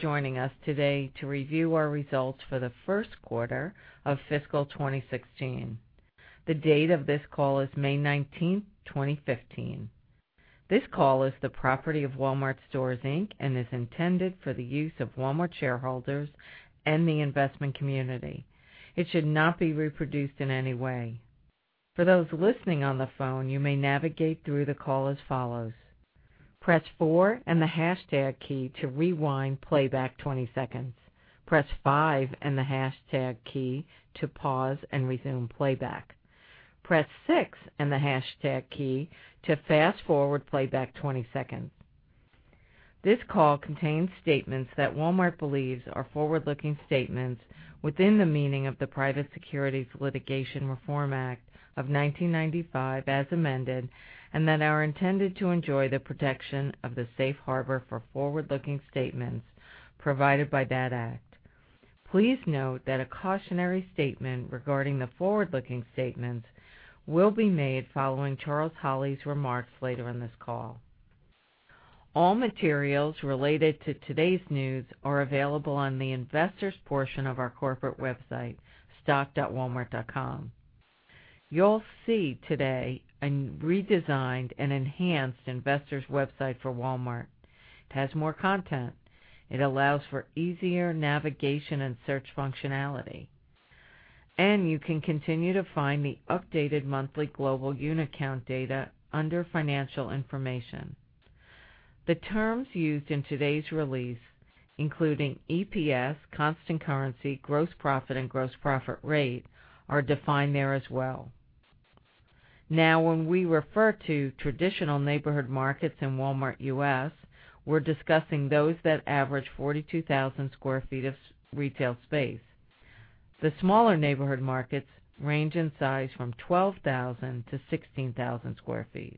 Joining us today to review our results for the first quarter of fiscal 2016. The date of this call is May 19, 2015. This call is the property of Wal-Mart Stores, Inc. and is intended for the use of Walmart shareholders and the investment community. It should not be reproduced in any way. For those listening on the phone, you may navigate through the call as follows. Press four and the hashtag key to rewind playback 20 seconds. Press five and the hashtag key to pause and resume playback. Press six and the hashtag key to fast-forward playback 20 seconds. This call contains statements that Walmart believes are forward-looking statements within the meaning of the Private Securities Litigation Reform Act of 1995 as amended and that are intended to enjoy the protection of the safe harbor for forward-looking statements provided by that act. Please note that a cautionary statement regarding the forward-looking statements will be made following Charles Holley's remarks later in this call. All materials related to today's news are available on the Investors portion of our corporate website, stock.walmart.com. You'll see today a redesigned and enhanced investors website for Walmart. It has more content, it allows for easier navigation and search functionality, and you can continue to find the updated monthly global unit count data under Financial Information. The terms used in today's release, including EPS, constant currency, gross profit, and gross profit rate, are defined there as well. When we refer to traditional Neighborhood Markets in Walmart U.S., we're discussing those that average 42,000 sq ft of retail space. The smaller Neighborhood Markets range in size from 12,000 to 16,000 sq ft.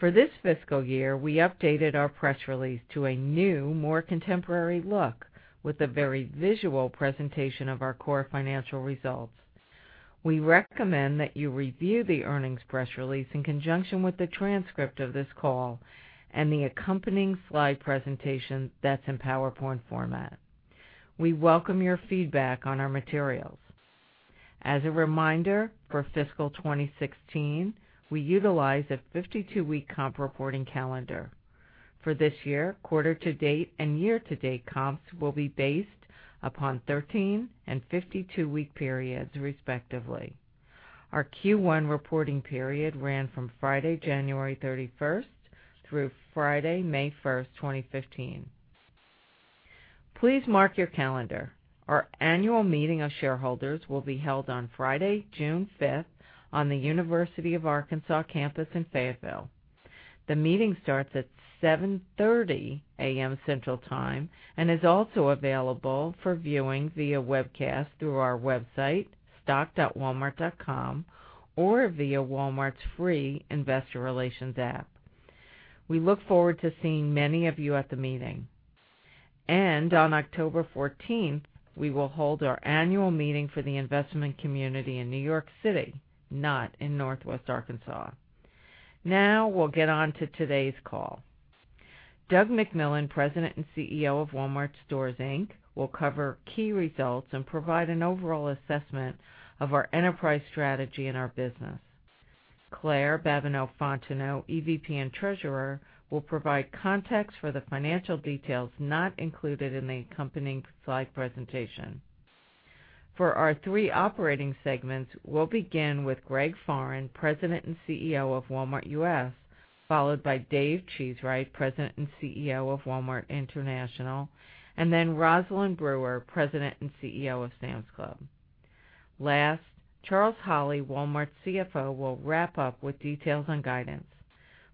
For this fiscal year, we updated our press release to a new, more contemporary look with a very visual presentation of our core financial results. We recommend that you review the earnings press release in conjunction with the transcript of this call and the accompanying slide presentation that's in PowerPoint format. We welcome your feedback on our materials. As a reminder, for fiscal 2016, we utilize a 52-week comp reporting calendar. For this year, quarter to date and year to date comps will be based upon 13 and 52-week periods, respectively. Our Q1 reporting period ran from Friday, January 31st through Friday, May 1st, 2015. Please mark your calendar. Our annual meeting of shareholders will be held on Friday, June 5th on the University of Arkansas campus in Fayetteville. The meeting starts at 7:30 A.M. Central Time and is also available for viewing via webcast through our website, stock.walmart.com, or via Walmart's free investor relations app. We look forward to seeing many of you at the meeting. On October 14th, we will hold our annual meeting for the investment community in New York City, not in Northwest Arkansas. We'll get on to today's call. Doug McMillon, President and CEO of Wal-Mart Stores, Inc., will cover key results and provide an overall assessment of our enterprise strategy and our business. Claire Babineaux-Fontenot, EVP and Treasurer, will provide context for the financial details not included in the accompanying slide presentation. For our three operating segments, we'll begin with Greg Foran, President and CEO of Walmart U.S., followed by David Cheesewright, President and CEO of Walmart International, and then Rosalind Brewer, President and CEO of Sam's Club. Charles Holley, Walmart's CFO, will wrap up with details on guidance.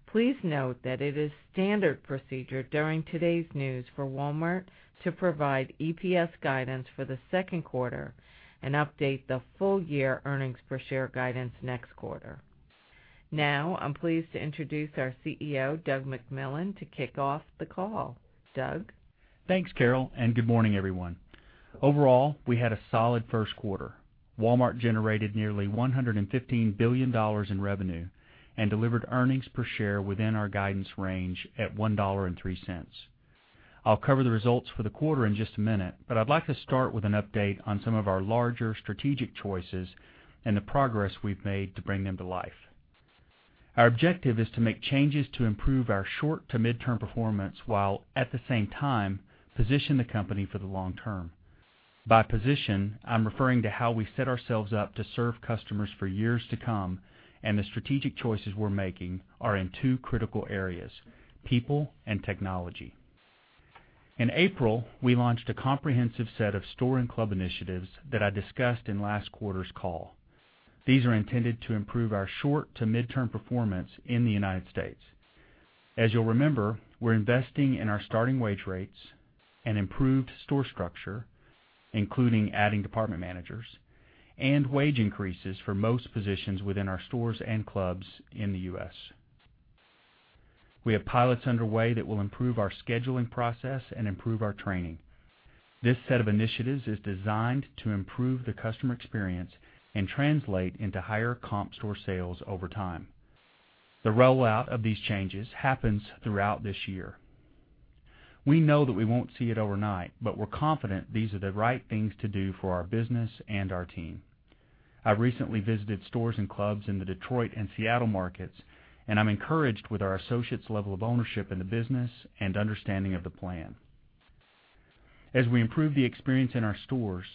Please note that it is standard procedure during today's news for Walmart to provide EPS guidance for the second quarter and update the full year earnings per share guidance next quarter. I'm pleased to introduce our CEO, Doug McMillon, to kick off the call. Doug? Thanks, Carol, and good morning, everyone. Overall, we had a solid first quarter. Walmart generated nearly $115 billion in revenue and delivered earnings per share within our guidance range at $1.03. I'll cover the results for the quarter in just a minute. I'd like to start with an update on some of our larger strategic choices and the progress we've made to bring them to life. Our objective is to make changes to improve our short to mid-term performance, while at the same time position the company for the long term. By position, I'm referring to how we set ourselves up to serve customers for years to come. The strategic choices we're making are in two critical areas, people and technology. In April, we launched a comprehensive set of store and club initiatives that I discussed in last quarter's call. These are intended to improve our short to mid-term performance in the U.S. As you'll remember, we're investing in our starting wage rates, improved store structure, including adding department managers, wage increases for most positions within our stores and clubs in the U.S. We have pilots underway that will improve our scheduling process and improve our training. This set of initiatives is designed to improve the customer experience and translate into higher comp store sales over time. The rollout of these changes happens throughout this year. We know that we won't see it overnight. We're confident these are the right things to do for our business and our team. I recently visited stores and clubs in the Detroit and Seattle markets. I'm encouraged with our associates' level of ownership in the business and understanding of the plan. As we improve the experience in our stores,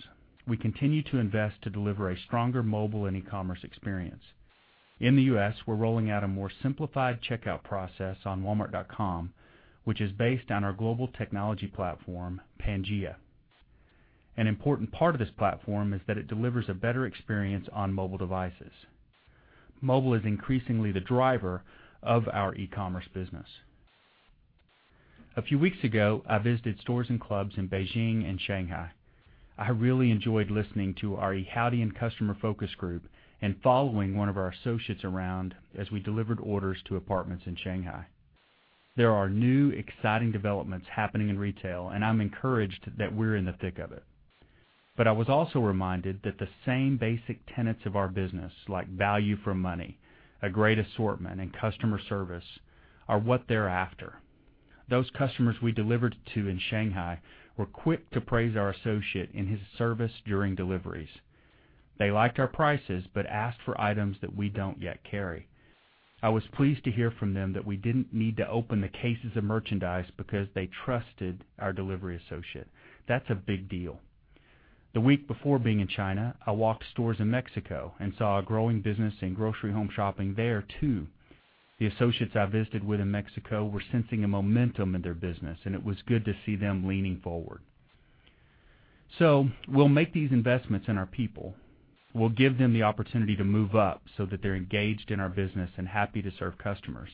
we continue to invest to deliver a stronger mobile and e-commerce experience. In the U.S., we're rolling out a more simplified checkout process on walmart.com, which is based on our global technology platform, Pangaea. An important part of this platform is that it delivers a better experience on mobile devices. Mobile is increasingly the driver of our e-commerce business. A few weeks ago, I visited stores and clubs in Beijing and Shanghai. I really enjoyed listening to our Yihaodian customer focus group and following one of our associates around as we delivered orders to apartments in Shanghai. There are new, exciting developments happening in retail. I'm encouraged that we're in the thick of it. I was also reminded that the same basic tenets of our business, like value for money, a great assortment, and customer service, are what they're after. Those customers we delivered to in Shanghai were quick to praise our associate in his service during deliveries. They liked our prices but asked for items that we don't yet carry. I was pleased to hear from them that we didn't need to open the cases of merchandise because they trusted our delivery associate. That's a big deal. The week before being in China, I walked stores in Mexico and saw a growing business in grocery home shopping there, too. The associates I visited with in Mexico were sensing a momentum in their business, and it was good to see them leaning forward. We'll make these investments in our people. We'll give them the opportunity to move up so that they're engaged in our business and happy to serve customers.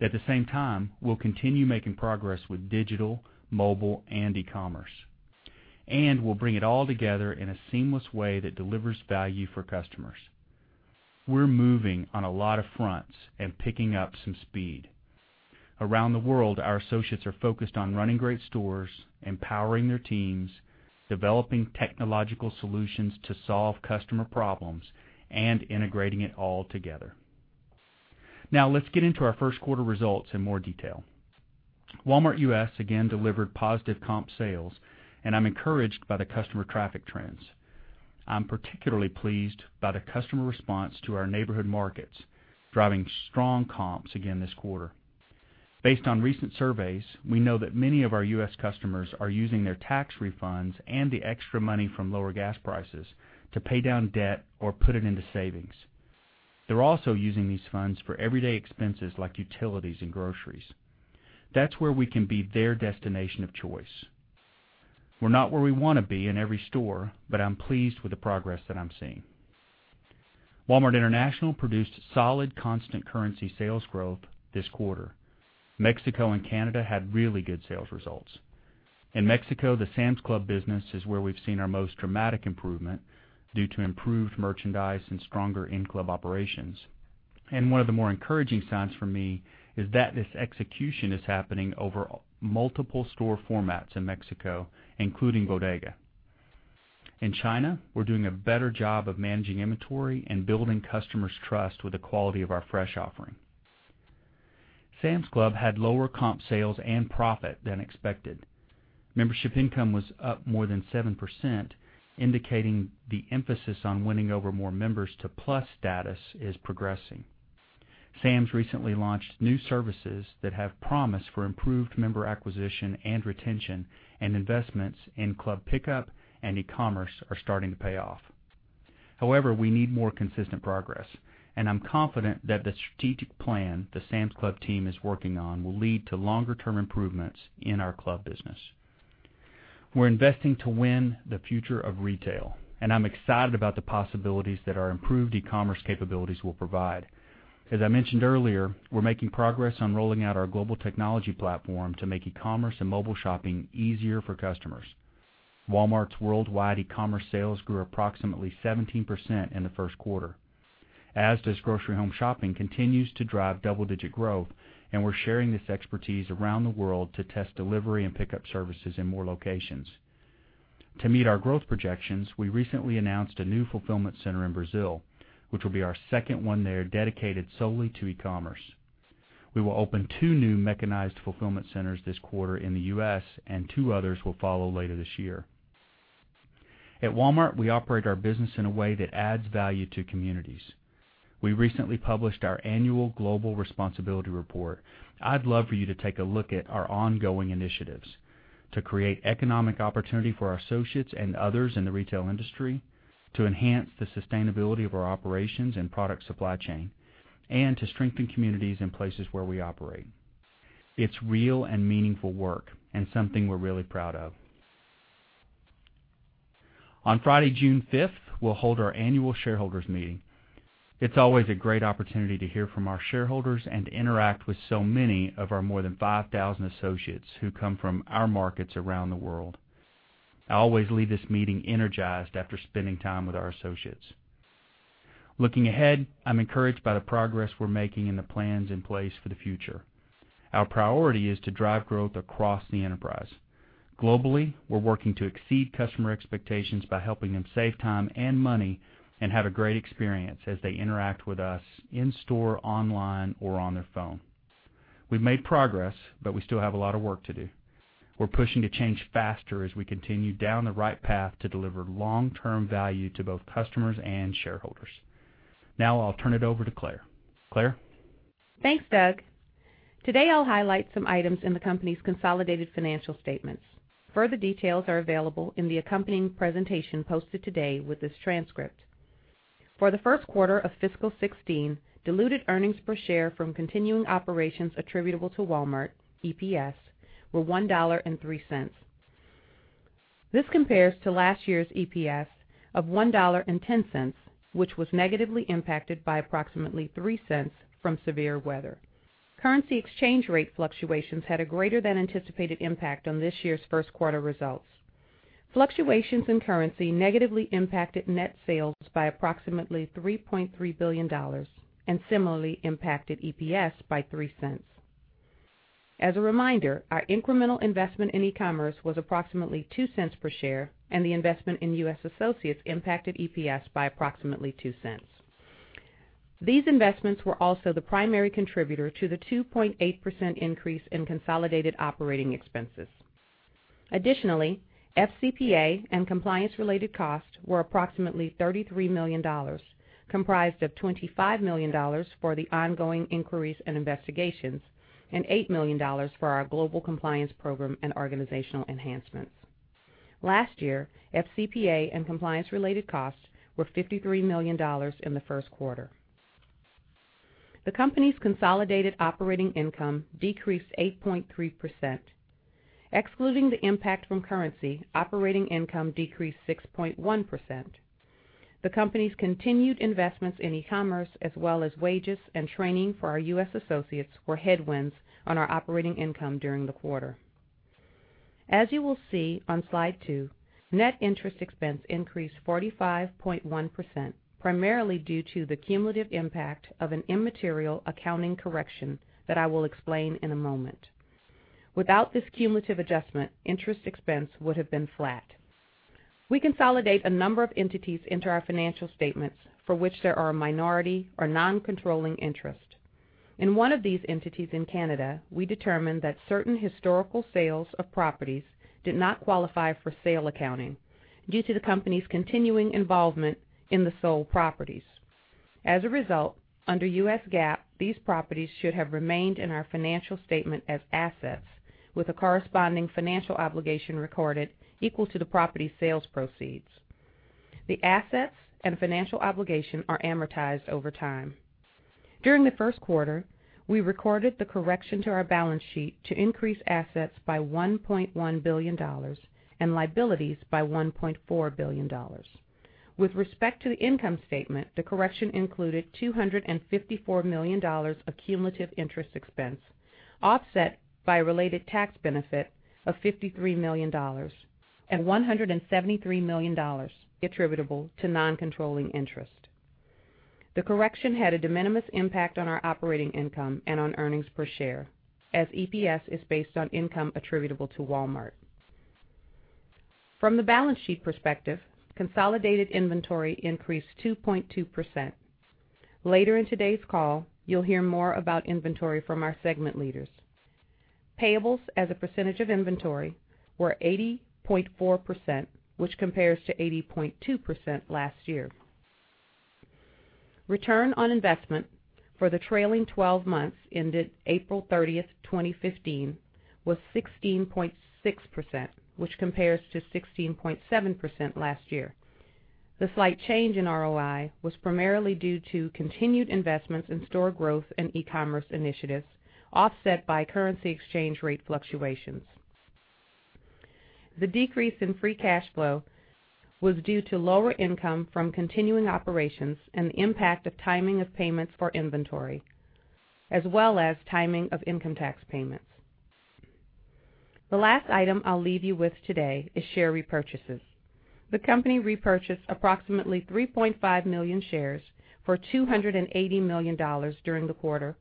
At the same time, we'll continue making progress with digital, mobile, and e-commerce, and we'll bring it all together in a seamless way that delivers value for customers. We're moving on a lot of fronts and picking up some speed. Around the world, our associates are focused on running great stores, empowering their teams, developing technological solutions to solve customer problems, and integrating it all together. Let's get into our first quarter results in more detail. Walmart U.S. again delivered positive comp sales, and I'm encouraged by the customer traffic trends. I'm particularly pleased about a customer response to our Neighborhood Markets, driving strong comps again this quarter. Based on recent surveys, we know that many of our U.S. customers are using their tax refunds and the extra money from lower gas prices to pay down debt or put it into savings. They're also using these funds for everyday expenses like utilities and groceries. That's where we can be their destination of choice. We're not where we want to be in every store, but I'm pleased with the progress that I'm seeing. Walmart International produced solid constant currency sales growth this quarter. Mexico and Canada had really good sales results. In Mexico, the Sam's Club business is where we've seen our most dramatic improvement due to improved merchandise and stronger in-club operations. One of the more encouraging signs for me is that this execution is happening over multiple store formats in Mexico, including Bodega. In China, we're doing a better job of managing inventory and building customers' trust with the quality of our fresh offering. Sam's Club had lower comp sales and profit than expected. Membership income was up more than 7%, indicating the emphasis on winning over more members to Plus status is progressing. Sam's recently launched new services that have promise for improved member acquisition and retention, and investments in Club Pickup and e-commerce are starting to pay off. We need more consistent progress, and I'm confident that the strategic plan the Sam's Club team is working on will lead to longer-term improvements in our club business. We're investing to win the future of retail, and I'm excited about the possibilities that our improved e-commerce capabilities will provide. As I mentioned earlier, we're making progress on rolling out our global technology platform to make e-commerce and mobile shopping easier for customers. Walmart's worldwide e-commerce sales grew approximately 17% in the first quarter, Asda's grocery home shopping continues to drive double-digit growth, and we're sharing this expertise around the world to test delivery and pickup services in more locations. To meet our growth projections, we recently announced a new fulfillment center in Brazil, which will be our second one there dedicated solely to e-commerce. We will open two new mechanized fulfillment centers this quarter in the U.S., and two others will follow later this year. At Walmart, we operate our business in a way that adds value to communities. We recently published our annual global responsibility report. I'd love for you to take a look at our ongoing initiatives to create economic opportunity for our associates and others in the retail industry, to enhance the sustainability of our operations and product supply chain, and to strengthen communities in places where we operate. It's real and meaningful work and something we're really proud of. On Friday, June 5th, we'll hold our annual shareholders meeting. It's always a great opportunity to hear from our shareholders and interact with so many of our more than 5,000 associates who come from our markets around the world. I always leave this meeting energized after spending time with our associates. Looking ahead, I'm encouraged by the progress we're making and the plans in place for the future. Our priority is to drive growth across the enterprise. Globally, we're working to exceed customer expectations by helping them save time and money and have a great experience as they interact with us in-store, online, or on their phone. We've made progress, but we still have a lot of work to do. We're pushing to change faster as we continue down the right path to deliver long-term value to both customers and shareholders. I'll turn it over to Claire. Claire? Thanks, Doug. Today I'll highlight some items in the company's consolidated financial statements. Further details are available in the accompanying presentation posted today with this transcript. For the first quarter of fiscal 2016, diluted earnings per share from continuing operations attributable to Walmart, EPS, were $1.03. This compares to last year's EPS of $1.10, which was negatively impacted by approximately $0.03 from severe weather. Currency exchange rate fluctuations had a greater than anticipated impact on this year's first quarter results. Fluctuations in currency negatively impacted net sales by approximately $3.3 billion, and similarly impacted EPS by $0.03. As a reminder, our incremental investment in e-commerce was approximately $0.02 per share, and the investment in U.S. associates impacted EPS by approximately $0.02. These investments were also the primary contributor to the 2.8% increase in consolidated operating expenses. Additionally, FCPA and compliance-related costs were approximately $33 million, comprised of $25 million for the ongoing inquiries and investigations and $8 million for our global compliance program and organizational enhancements. Last year, FCPA and compliance-related costs were $53 million in the first quarter. The company's consolidated operating income decreased 8.3%. Excluding the impact from currency, operating income decreased 6.1%. The company's continued investments in e-commerce, as well as wages and training for our U.S. associates, were headwinds on our operating income during the quarter. As you will see on slide two, net interest expense increased 45.1%, primarily due to the cumulative impact of an immaterial accounting correction that I will explain in a moment. Without this cumulative adjustment, interest expense would have been flat. We consolidate a number of entities into our financial statements for which there are a minority or non-controlling interest. In one of these entities in Canada, we determined that certain historical sales of properties did not qualify for sale accounting due to the company's continuing involvement in the sold properties. As a result, under U.S. GAAP, these properties should have remained in our financial statement as assets with a corresponding financial obligation recorded equal to the property's sales proceeds. The assets and financial obligation are amortized over time. During the first quarter, we recorded the correction to our balance sheet to increase assets by $1.1 billion and liabilities by $1.4 billion. With respect to the income statement, the correction included $254 million of cumulative interest expense, offset by a related tax benefit of $53 million and $173 million attributable to non-controlling interest. The correction had a de minimis impact on our operating income and on earnings per share, as EPS is based on income attributable to Walmart. From the balance sheet perspective, consolidated inventory increased 2.2%. Later in today's call, you'll hear more about inventory from our segment leaders. Payables as a percentage of inventory were 80.4%, which compares to 80.2% last year. Return on investment for the trailing 12 months ended April 30, 2015, was 16.6%, which compares to 16.7% last year. The slight change in ROI was primarily due to continued investments in store growth and e-commerce initiatives, offset by currency exchange rate fluctuations. The decrease in free cash flow was due to lower income from continuing operations and the impact of timing of payments for inventory, as well as timing of income tax payments. The last item I'll leave you with today is share repurchases. The company repurchased approximately 3.5 million shares for $280 million during the quarter.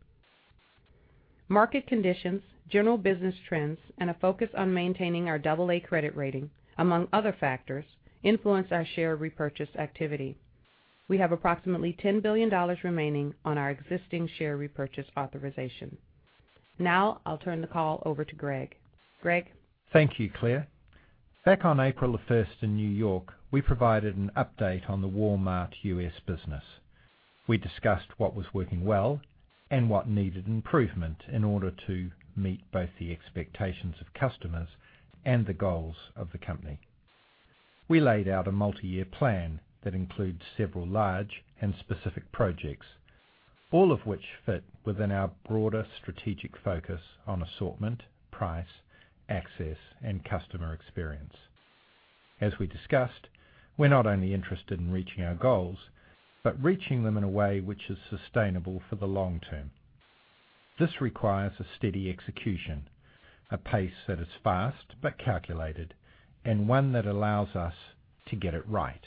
Market conditions, general business trends, and a focus on maintaining our double A credit rating, among other factors, influence our share repurchase activity. We have approximately $10 billion remaining on our existing share repurchase authorization. Now I'll turn the call over to Greg. Greg? Thank you, Claire. Back on April the 1st in New York, we provided an update on the Walmart U.S. business. We discussed what was working well and what needed improvement in order to meet both the expectations of customers and the goals of the company. We laid out a multi-year plan that includes several large and specific projects, all of which fit within our broader strategic focus on assortment, price, access, and customer experience. As we discussed, we're not only interested in reaching our goals, but reaching them in a way which is sustainable for the long term. This requires a steady execution, a pace that is fast but calculated, and one that allows us to get it right.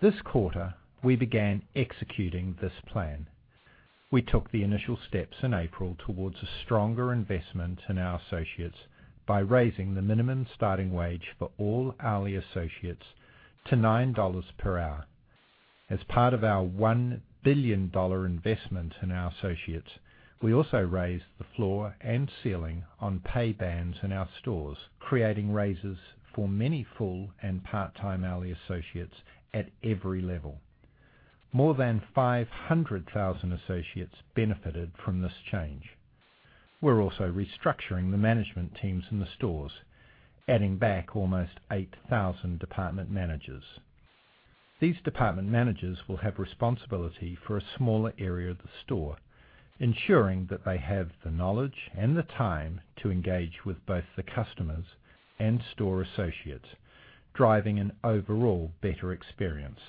This quarter, we began executing this plan. We took the initial steps in April towards a stronger investment in our associates by raising the minimum starting wage for all hourly associates to $9 per hour. As part of our $1 billion investment in our associates, we also raised the floor and ceiling on pay bands in our stores, creating raises for many full and part-time hourly associates at every level. More than 500,000 associates benefited from this change. We're also restructuring the management teams in the stores, adding back almost 8,000 department managers. These department managers will have responsibility for a smaller area of the store, ensuring that they have the knowledge and the time to engage with both the customers and store associates, driving an overall better experience.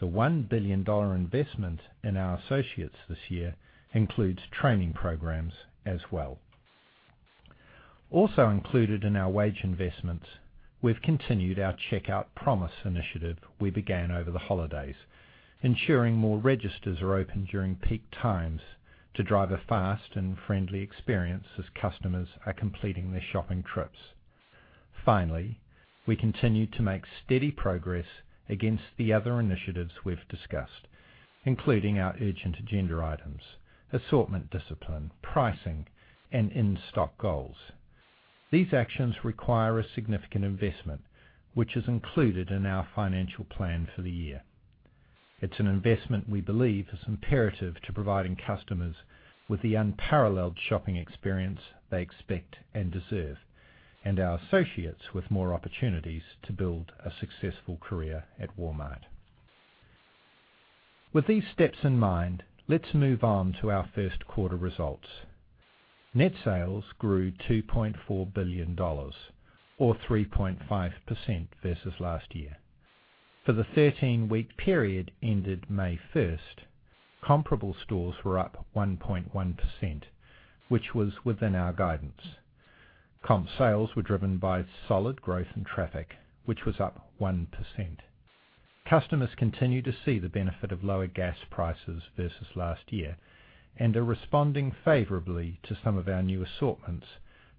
The $1 billion investment in our associates this year includes training programs as well. Also included in our wage investments, we've continued our Checkout Promise initiative we began over the holidays, ensuring more registers are open during peak times to drive a fast and friendly experience as customers are completing their shopping trips. Finally, we continue to make steady progress against the other initiatives we've discussed, including our urgent agenda items, assortment discipline, pricing, and in-stock goals. These actions require a significant investment, which is included in our financial plan for the year. It's an investment we believe is imperative to providing customers with the unparalleled shopping experience they expect and deserve, and our associates with more opportunities to build a successful career at Walmart. With these steps in mind, let's move on to our first quarter results. Net sales grew $2.4 billion, or 3.5% versus last year. For the 13-week period ended May 1st, comparable stores were up 1.1%, which was within our guidance. Comp sales were driven by solid growth in traffic, which was up 1%. Customers continue to see the benefit of lower gas prices versus last year and are responding favorably to some of our new assortments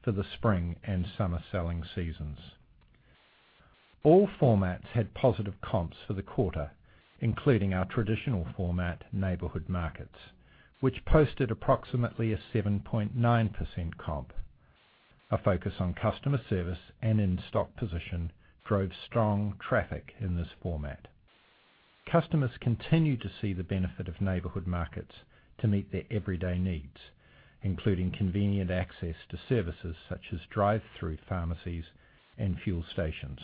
for the spring and summer selling seasons. All formats had positive comps for the quarter, including our traditional format, Neighborhood Markets, which posted approximately a 7.9% comp. A focus on customer service and in-stock position drove strong traffic in this format. Customers continue to see the benefit of Neighborhood Markets to meet their everyday needs, including convenient access to services such as drive-through pharmacies and fuel stations.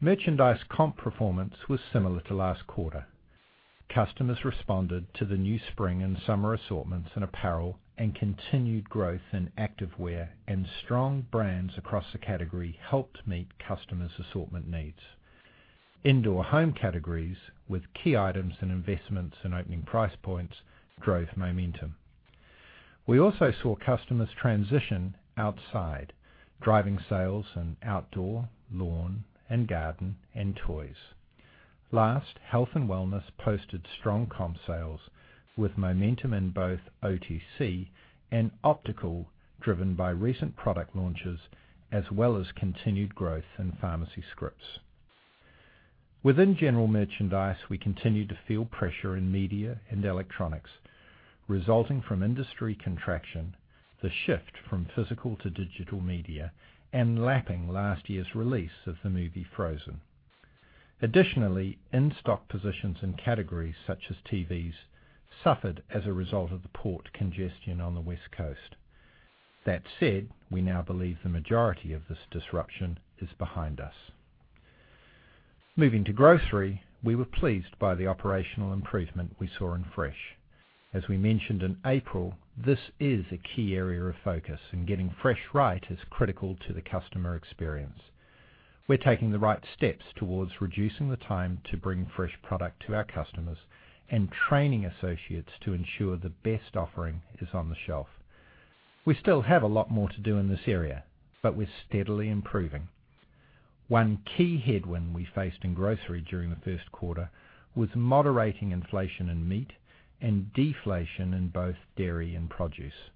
Merchandise comp performance was similar to last quarter. Customers responded to the new spring and summer assortments in apparel and continued growth in activewear and strong brands across the category helped meet customers' assortment needs. Indoor home categories with key items and investments in opening price points drove momentum. We also saw customers transition outside, driving sales in outdoor, lawn and garden, and toys. Last, health and wellness posted strong comp sales, with momentum in both OTC and optical driven by recent product launches, as well as continued growth in pharmacy scripts. Within general merchandise, we continue to feel pressure in media and electronics resulting from industry contraction, the shift from physical to digital media, and lapping last year's release of the movie "Frozen." Additionally, in-stock positions in categories such as TVs suffered as a result of the port congestion on the West Coast. That said, we now believe the majority of this disruption is behind us. Moving to grocery, we were pleased by the operational improvement we saw in fresh. As we mentioned in April, this is a key area of focus, and getting fresh right is critical to the customer experience. We're taking the right steps towards reducing the time to bring fresh product to our customers and training associates to ensure the best offering is on the shelf. We still have a lot more to do in this area, but we're steadily improving. One key headwind we faced in grocery during the first quarter was moderating inflation in meat and deflation in both dairy and produce.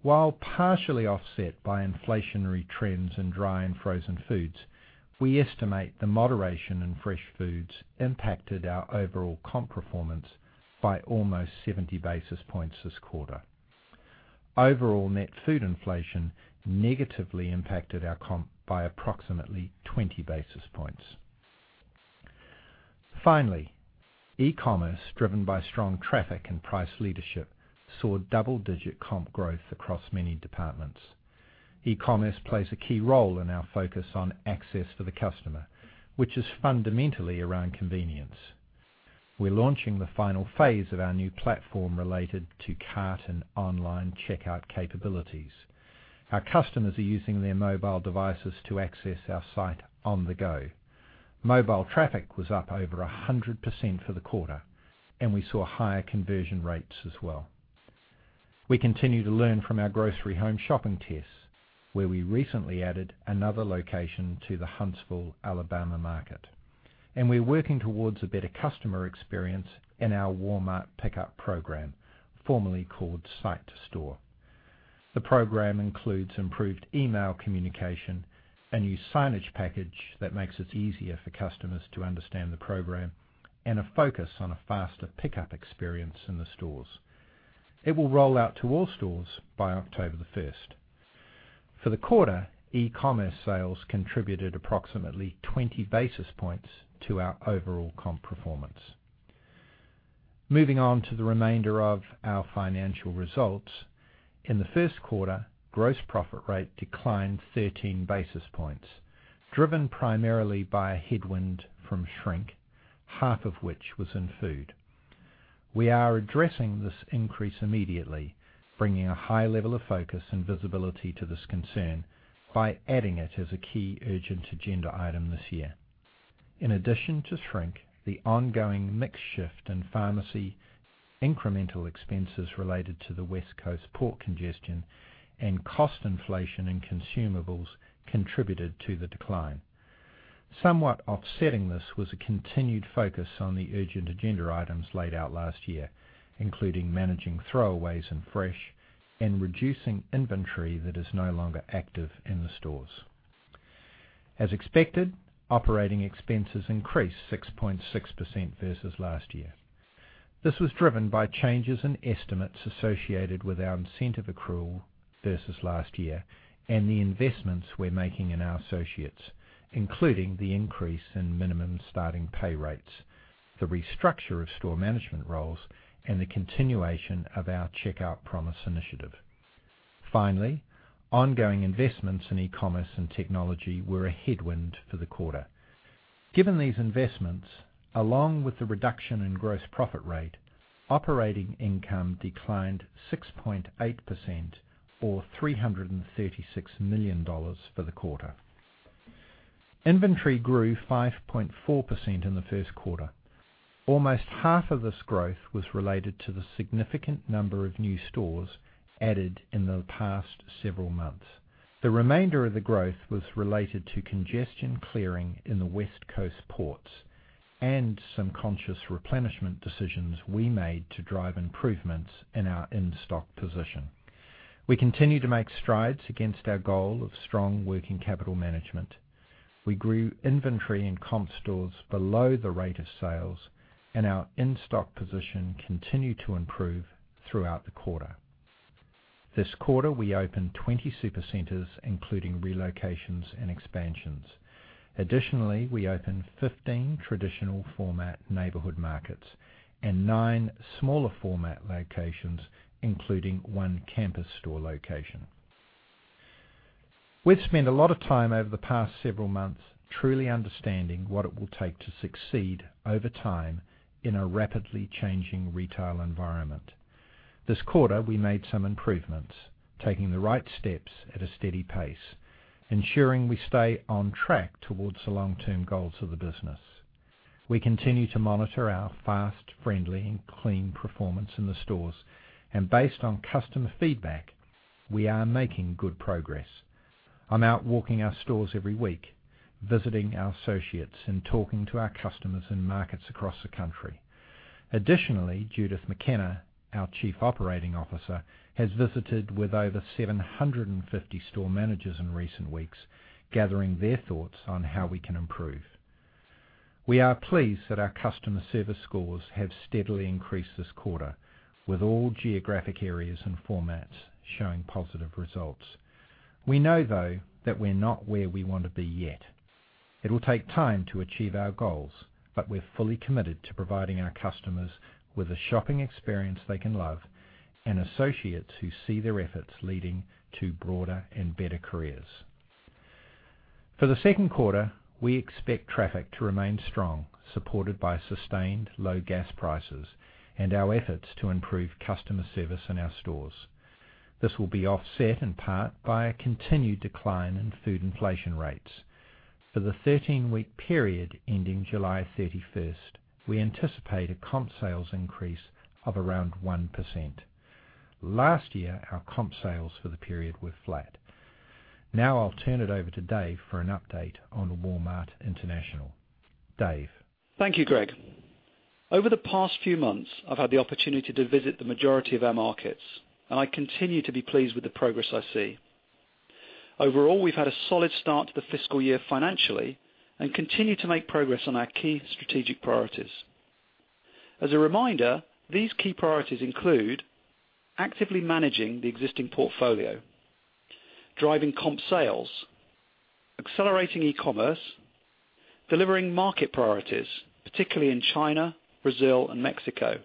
While partially offset by inflationary trends in dry and frozen foods, we estimate the moderation in fresh foods impacted our overall comp performance by almost 70 basis points this quarter. Overall net food inflation negatively impacted our comp by approximately 20 basis points. Finally, e-commerce, driven by strong traffic and price leadership, saw double-digit comp growth across many departments. E-commerce plays a key role in our focus on access for the customer, which is fundamentally around convenience. We're launching the final phase of our new platform related to cart and online checkout capabilities. Our customers are using their mobile devices to access our site on the go. Mobile traffic was up over 100% for the quarter, and we saw higher conversion rates as well. We continue to learn from our grocery home shopping tests, where we recently added another location to the Huntsville, Alabama market, and we're working towards a better customer experience in our Walmart Pickup program, formerly called Site to Store. The program includes improved email communication, a new signage package that makes it easier for customers to understand the program, and a focus on a faster pickup experience in the stores. It will roll out to all stores by October the 1st. For the quarter, e-commerce sales contributed approximately 20 basis points to our overall comp performance. Moving on to the remainder of our financial results. In the first quarter, gross profit rate declined 13 basis points, driven primarily by a headwind from shrink, half of which was in food. We are addressing this increase immediately, bringing a high level of focus and visibility to this concern by adding it as a key urgent agenda item this year. In addition to shrink, the ongoing mix shift in pharmacy, incremental expenses related to the West Coast port congestion, and cost inflation and consumables contributed to the decline. Somewhat offsetting this was a continued focus on the urgent agenda items laid out last year, including managing throwaways and fresh, and reducing inventory that is no longer active in the stores. As expected, operating expenses increased 6.6% versus last year. This was driven by changes in estimates associated with our incentive accrual versus last year and the investments we're making in our associates, including the increase in minimum starting pay rates, the restructure of store management roles, and the continuation of our Checkout Promise initiative. Finally, ongoing investments in e-commerce and technology were a headwind for the quarter. Given these investments, along with the reduction in gross profit rate, operating income declined 6.8%, or $336 million for the quarter. Inventory grew 5.4% in the first quarter. Almost half of this growth was related to the significant number of new stores added in the past several months. The remainder of the growth was related to congestion clearing in the West Coast ports and some conscious replenishment decisions we made to drive improvements in our in-stock position. We continue to make strides against our goal of strong working capital management. We grew inventory and comp stores below the rate of sales, and our in-stock position continued to improve throughout the quarter. This quarter, we opened 20 Supercenters, including relocations and expansions. Additionally, we opened 15 traditional format Neighborhood Markets and nine smaller format locations, including one campus store location. We've spent a lot of time over the past several months truly understanding what it will take to succeed over time in a rapidly changing retail environment. This quarter, we made some improvements, taking the right steps at a steady pace, ensuring we stay on track towards the long-term goals of the business. We continue to monitor our fast, friendly, and clean performance in the stores, and based on customer feedback, we are making good progress. I'm out walking our stores every week, visiting our associates and talking to our customers in markets across the country. Judith McKenna, our Chief Operating Officer, has visited with over 750 store managers in recent weeks, gathering their thoughts on how we can improve. We are pleased that our customer service scores have steadily increased this quarter, with all geographic areas and formats showing positive results. We know, though, that we're not where we want to be yet. It will take time to achieve our goals, but we're fully committed to providing our customers with a shopping experience they can love and associates who see their efforts leading to broader and better careers. For the second quarter, we expect traffic to remain strong, supported by sustained low gas prices and our efforts to improve customer service in our stores. This will be offset in part by a continued decline in food inflation rates. For the 13-week period ending July 31st, we anticipate a comp sales increase of around 1%. Last year, our comp sales for the period were flat. I'll turn it over to Dave for an update on Walmart International. Dave. Thank you, Greg. Over the past few months, I've had the opportunity to visit the majority of our markets, and I continue to be pleased with the progress I see. Overall, we've had a solid start to the fiscal year financially and continue to make progress on our key strategic priorities. As a reminder, these key priorities include actively managing the existing portfolio, driving comp sales, accelerating e-commerce, delivering market priorities, particularly in China, Brazil, and Mexico,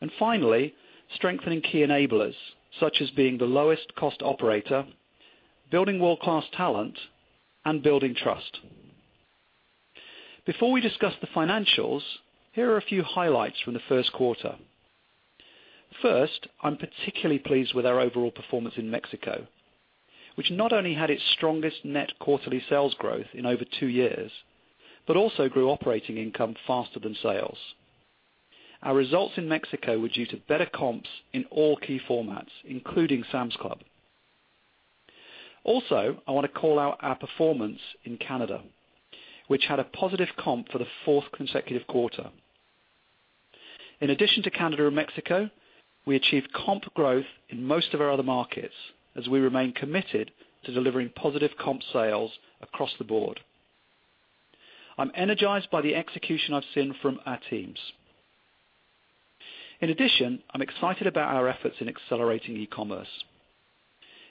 and finally, strengthening key enablers, such as being the lowest cost operator, building world-class talent, and building trust. Before we discuss the financials, here are a few highlights from the first quarter. First, I'm particularly pleased with our overall performance in Mexico, which not only had its strongest net quarterly sales growth in over two years, but also grew operating income faster than sales. Our results in Mexico were due to better comps in all key formats, including Sam's Club. Also, I want to call out our performance in Canada, which had a positive comp for the fourth consecutive quarter. In addition to Canada and Mexico, we achieved comp growth in most of our other markets as we remain committed to delivering positive comp sales across the board. I'm energized by the execution I've seen from our teams. In addition, I'm excited about our efforts in accelerating e-commerce.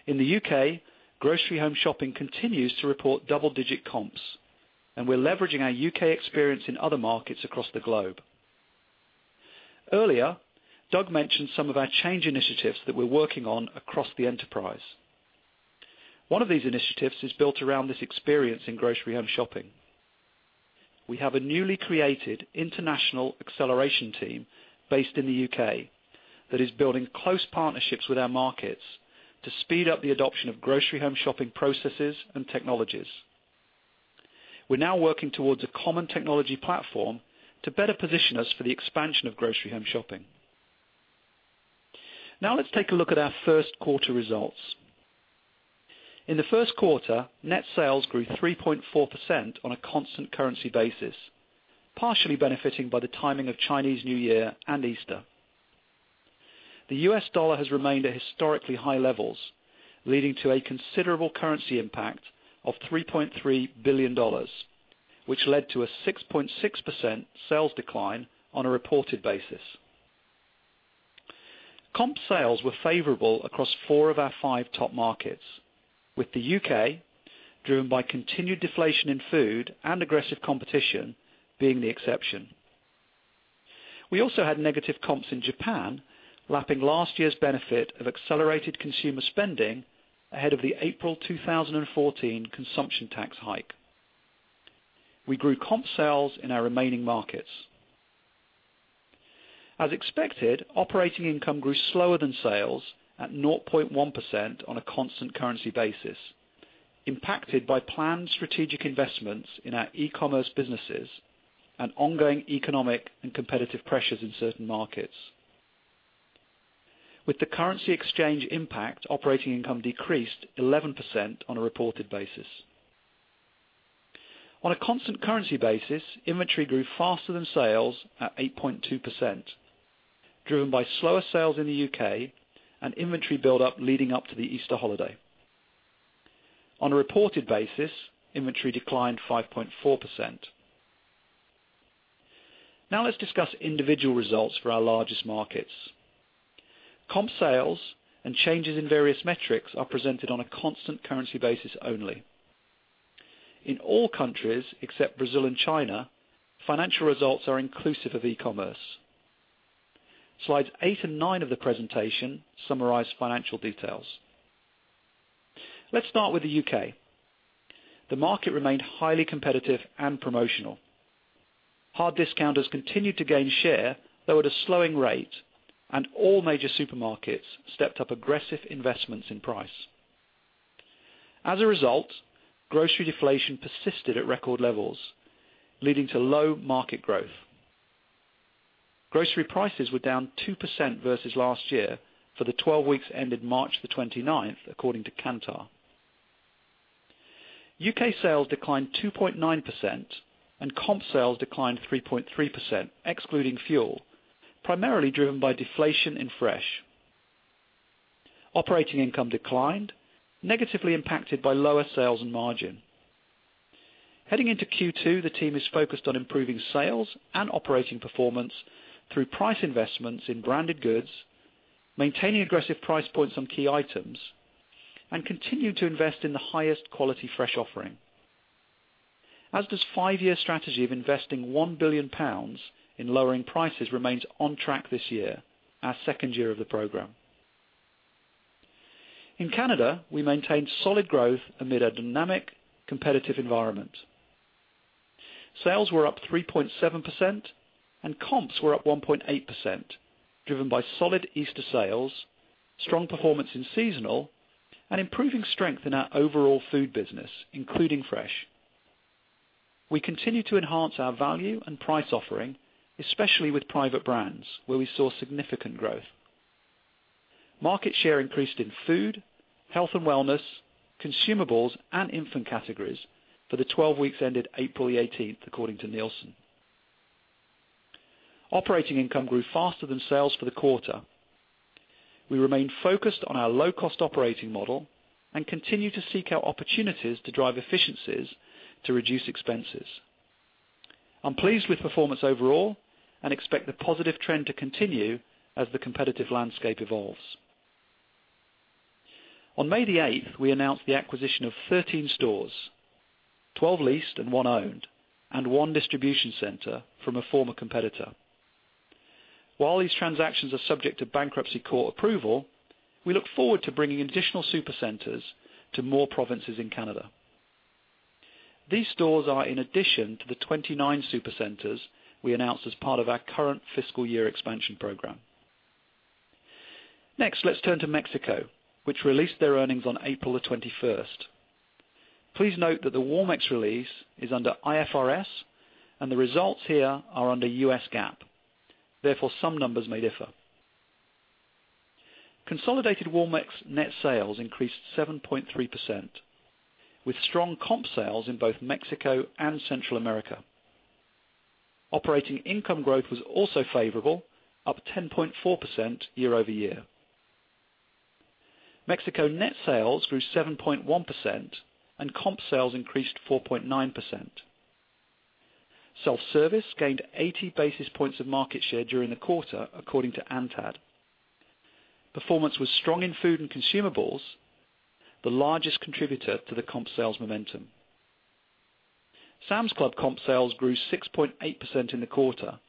In the U.K., grocery home shopping continues to report double-digit comps, and we're leveraging our U.K. experience in other markets across the globe. Earlier, Doug mentioned some of our change initiatives that we're working on across the enterprise. One of these initiatives is built around this experience in grocery home shopping. We have a newly created international acceleration team based in the U.K. that is building close partnerships with our markets to speed up the adoption of grocery home shopping processes and technologies. We're now working towards a common technology platform to better position us for the expansion of grocery home shopping. Now let's take a look at our first quarter results. In the first quarter, net sales grew 3.4% on a constant currency basis, partially benefiting by the timing of Chinese New Year and Easter. The U.S. dollar has remained at historically high levels, leading to a considerable currency impact of $3.3 billion, which led to a 6.6% sales decline on a reported basis. Comp sales were favorable across four of our five top markets, with the U.K. driven by continued deflation in food and aggressive competition being the exception. We also had negative comps in Japan, lapping last year's benefit of accelerated consumer spending ahead of the April 2014 consumption tax hike. We grew comp sales in our remaining markets. As expected, operating income grew slower than sales at 0.1% on a constant currency basis, impacted by planned strategic investments in our e-commerce businesses and ongoing economic and competitive pressures in certain markets. With the currency exchange impact, operating income decreased 11% on a reported basis. On a constant currency basis, inventory grew faster than sales at 8.2%, driven by slower sales in the U.K. and inventory build up leading up to the Easter holiday. On a reported basis, inventory declined 5.4%. Now let's discuss individual results for our largest markets. Comp sales and changes in various metrics are presented on a constant currency basis only. In all countries except Brazil and China, financial results are inclusive of e-commerce. Slides eight and nine of the presentation summarize financial details. Let's start with the U.K. The market remained highly competitive and promotional. Hard discounters continued to gain share, though at a slowing rate, and all major supermarkets stepped up aggressive investments in price. As a result, grocery deflation persisted at record levels, leading to low market growth. Grocery prices were down 2% versus last year for the 12 weeks ended March 29th, according to Kantar. U.K. sales declined 2.9% and comp sales declined 3.3%, excluding fuel, primarily driven by deflation in fresh. Operating income declined, negatively impacted by lower sales and margin. Heading into Q2, the team is focused on improving sales and operating performance through price investments in branded goods, maintaining aggressive price points on key items, and continuing to invest in the highest quality fresh offering. Asda's five-year strategy of investing 1 billion pounds in lowering prices remains on track this year, our second year of the program. In Canada, we maintained solid growth amid a dynamic, competitive environment. Sales were up 3.7% and comps were up 1.8%, driven by solid Easter sales, strong performance in seasonal, and improving strength in our overall food business, including fresh. We continue to enhance our value and price offering, especially with private brands, where we saw significant growth. Market share increased in food, health and wellness, consumables, and infant categories for the 12 weeks ended April 18th, according to Nielsen. Operating income grew faster than sales for the quarter. We remain focused on our low-cost operating model and continue to seek out opportunities to drive efficiencies to reduce expenses. I'm pleased with performance overall and expect the positive trend to continue as the competitive landscape evolves. On May 8th, we announced the acquisition of 13 stores, 12 leased and one owned, and one distribution center from a former competitor. While these transactions are subject to bankruptcy court approval, we look forward to bringing additional Supercenters to more provinces in Canada. These stores are in addition to the 29 Supercenters we announced as part of our current fiscal year expansion program. Next, let's turn to Mexico, which released their earnings on April 21st. Please note that the Walmex release is under IFRS and the results here are under U.S. GAAP. Therefore, some numbers may differ. Consolidated Walmex net sales increased 7.3%, with strong comp sales in both Mexico and Central America. Operating income growth was also favorable, up 10.4% year-over-year. Mexico net sales grew 7.1% and comp sales increased 4.9%. Self-service gained 80 basis points of market share during the quarter, according to ANTAD. Performance was strong in food and consumables, the largest contributor to the comp sales momentum. Sam's Club comp sales grew 6.8% in the quarter,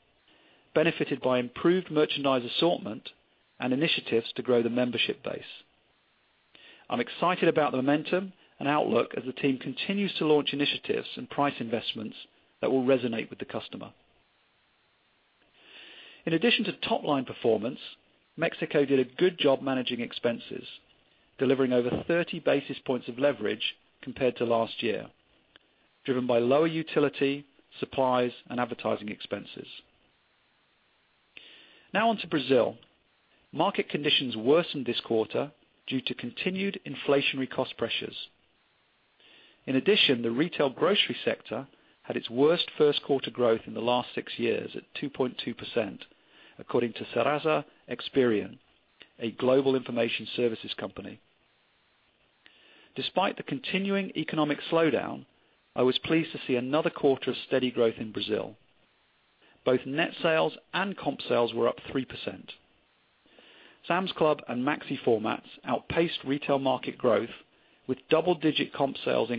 benefited by improved merchandise assortment and initiatives to grow the membership base. I'm excited about the momentum and outlook as the team continues to launch initiatives and price investments that will resonate with the customer. In addition to top-line performance, Mexico did a good job managing expenses, delivering over 30 basis points of leverage compared to last year, driven by lower utility, supplies, and advertising expenses. Now on to Brazil. Market conditions worsened this quarter due to continued inflationary cost pressures. In addition, the retail grocery sector had its worst first quarter growth in the last six years at 2.2%, according to Serasa Experian, a global information services company. Despite the continuing economic slowdown, I was pleased to see another quarter of steady growth in Brazil. Both net sales and comp sales were up 3%. Sam's Club and Maxi formats outpaced retail market growth with double-digit comp sales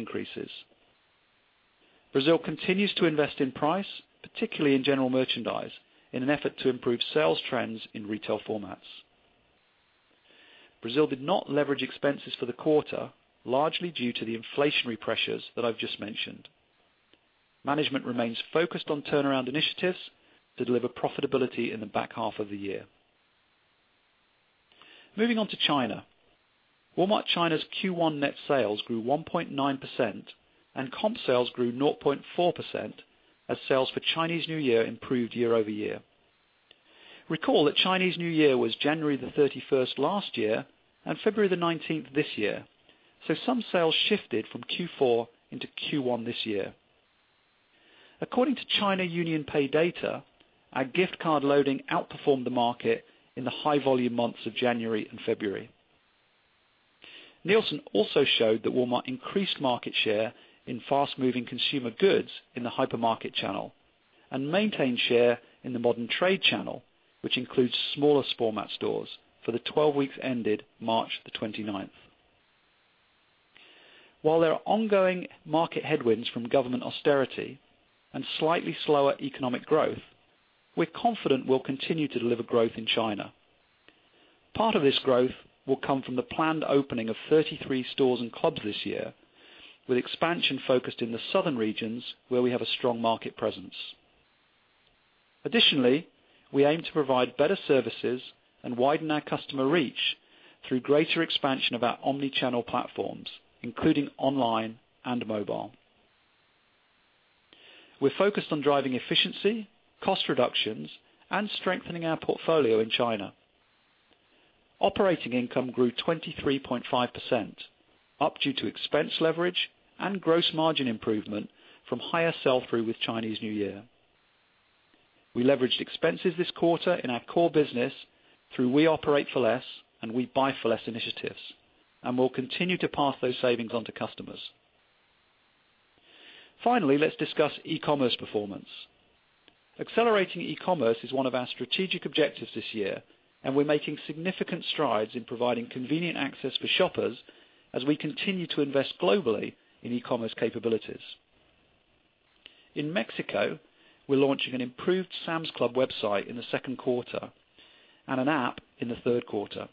increases. Brazil continues to invest in price, particularly in general merchandise, in an effort to improve sales trends in retail formats. Brazil did not leverage expenses for the quarter, largely due to the inflationary pressures that I've just mentioned. Management remains focused on turnaround initiatives to deliver profitability in the back half of the year. Moving on to China. Walmart China's Q1 net sales grew 1.9% and comp sales grew 0.4% as sales for Chinese New Year improved year over year. Recall that Chinese New Year was January 31st last year and February 19th this year. Some sales shifted from Q4 into Q1 this year. According to China UnionPay data, our gift card loading outperformed the market in the high-volume months of January and February. Nielsen also showed that Walmart increased market share in fast-moving consumer goods in the hypermarket channel and maintained share in the modern trade channel, which includes smaller format stores, for the 12 weeks ended March 29th. While there are ongoing market headwinds from government austerity and slightly slower economic growth, we will continue to deliver growth in China. Part of this growth will come from the planned opening of 33 stores and clubs this year, with expansion focused in the southern regions where we have a strong market presence. Additionally, we aim to provide better services and widen our customer reach through greater expansion of our omni-channel platforms, including online and mobile. We are focused on driving efficiency, cost reductions, and strengthening our portfolio in China. Operating income grew 23.5%, up due to expense leverage and gross margin improvement from higher sell-through with Chinese New Year. We leveraged expenses this quarter in our core business through We Operate For Less and We Buy For Less initiatives, and we will continue to pass those savings on to customers. Finally, let us discuss e-commerce performance. Accelerating e-commerce is one of our strategic objectives this year, and we are making significant strides in providing convenient access for shoppers as we continue to invest globally in e-commerce capabilities. In Mexico, we are launching an improved Sam's Club website in the second quarter and an app in the third quarter.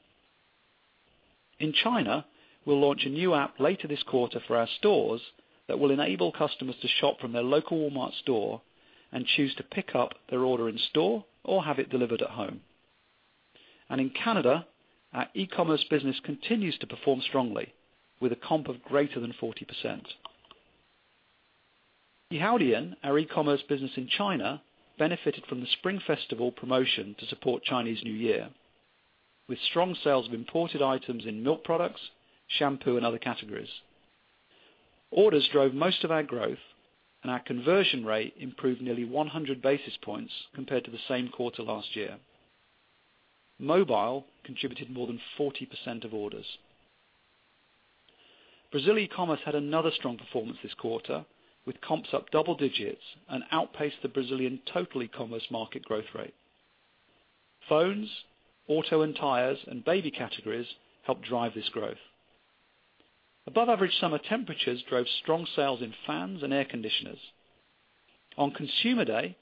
In China, we will launch a new app later this quarter for our stores that will enable customers to shop from their local Walmart store and choose to pick up their order in store or have it delivered at home. In Canada, our e-commerce business continues to perform strongly with a comp of greater than 40%. Yihaodian, our e-commerce business in China, benefited from the Spring Festival promotion to support Chinese New Year, with strong sales of imported items in milk products, shampoo, and other categories. Orders drove most of our growth, and our conversion rate improved nearly 100 basis points compared to the same quarter last year. Mobile contributed more than 40% of orders. Brazil e-commerce had another strong performance this quarter, with comps up double digits and outpaced the Brazilian total e-commerce market growth rate. Phones, auto and tires, and baby categories helped drive this growth. Above-average summer temperatures drove strong sales in fans and air conditioners. On Consumer Day,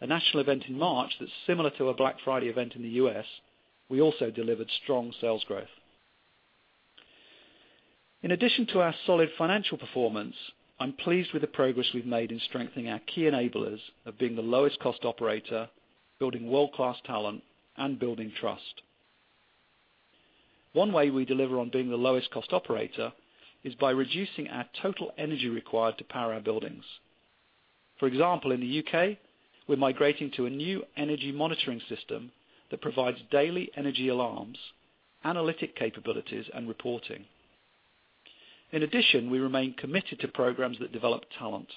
a national event in March that is similar to a Black Friday event in the U.S., we also delivered strong sales growth. In addition to our solid financial performance, I'm pleased with the progress we've made in strengthening our key enablers of being the lowest cost operator, building world-class talent, and building trust. One way we deliver on being the lowest cost operator is by reducing our total energy required to power our buildings. For example, in the U.K., we're migrating to a new energy monitoring system that provides daily energy alarms, analytic capabilities, and reporting. In addition, we remain committed to programs that develop talent.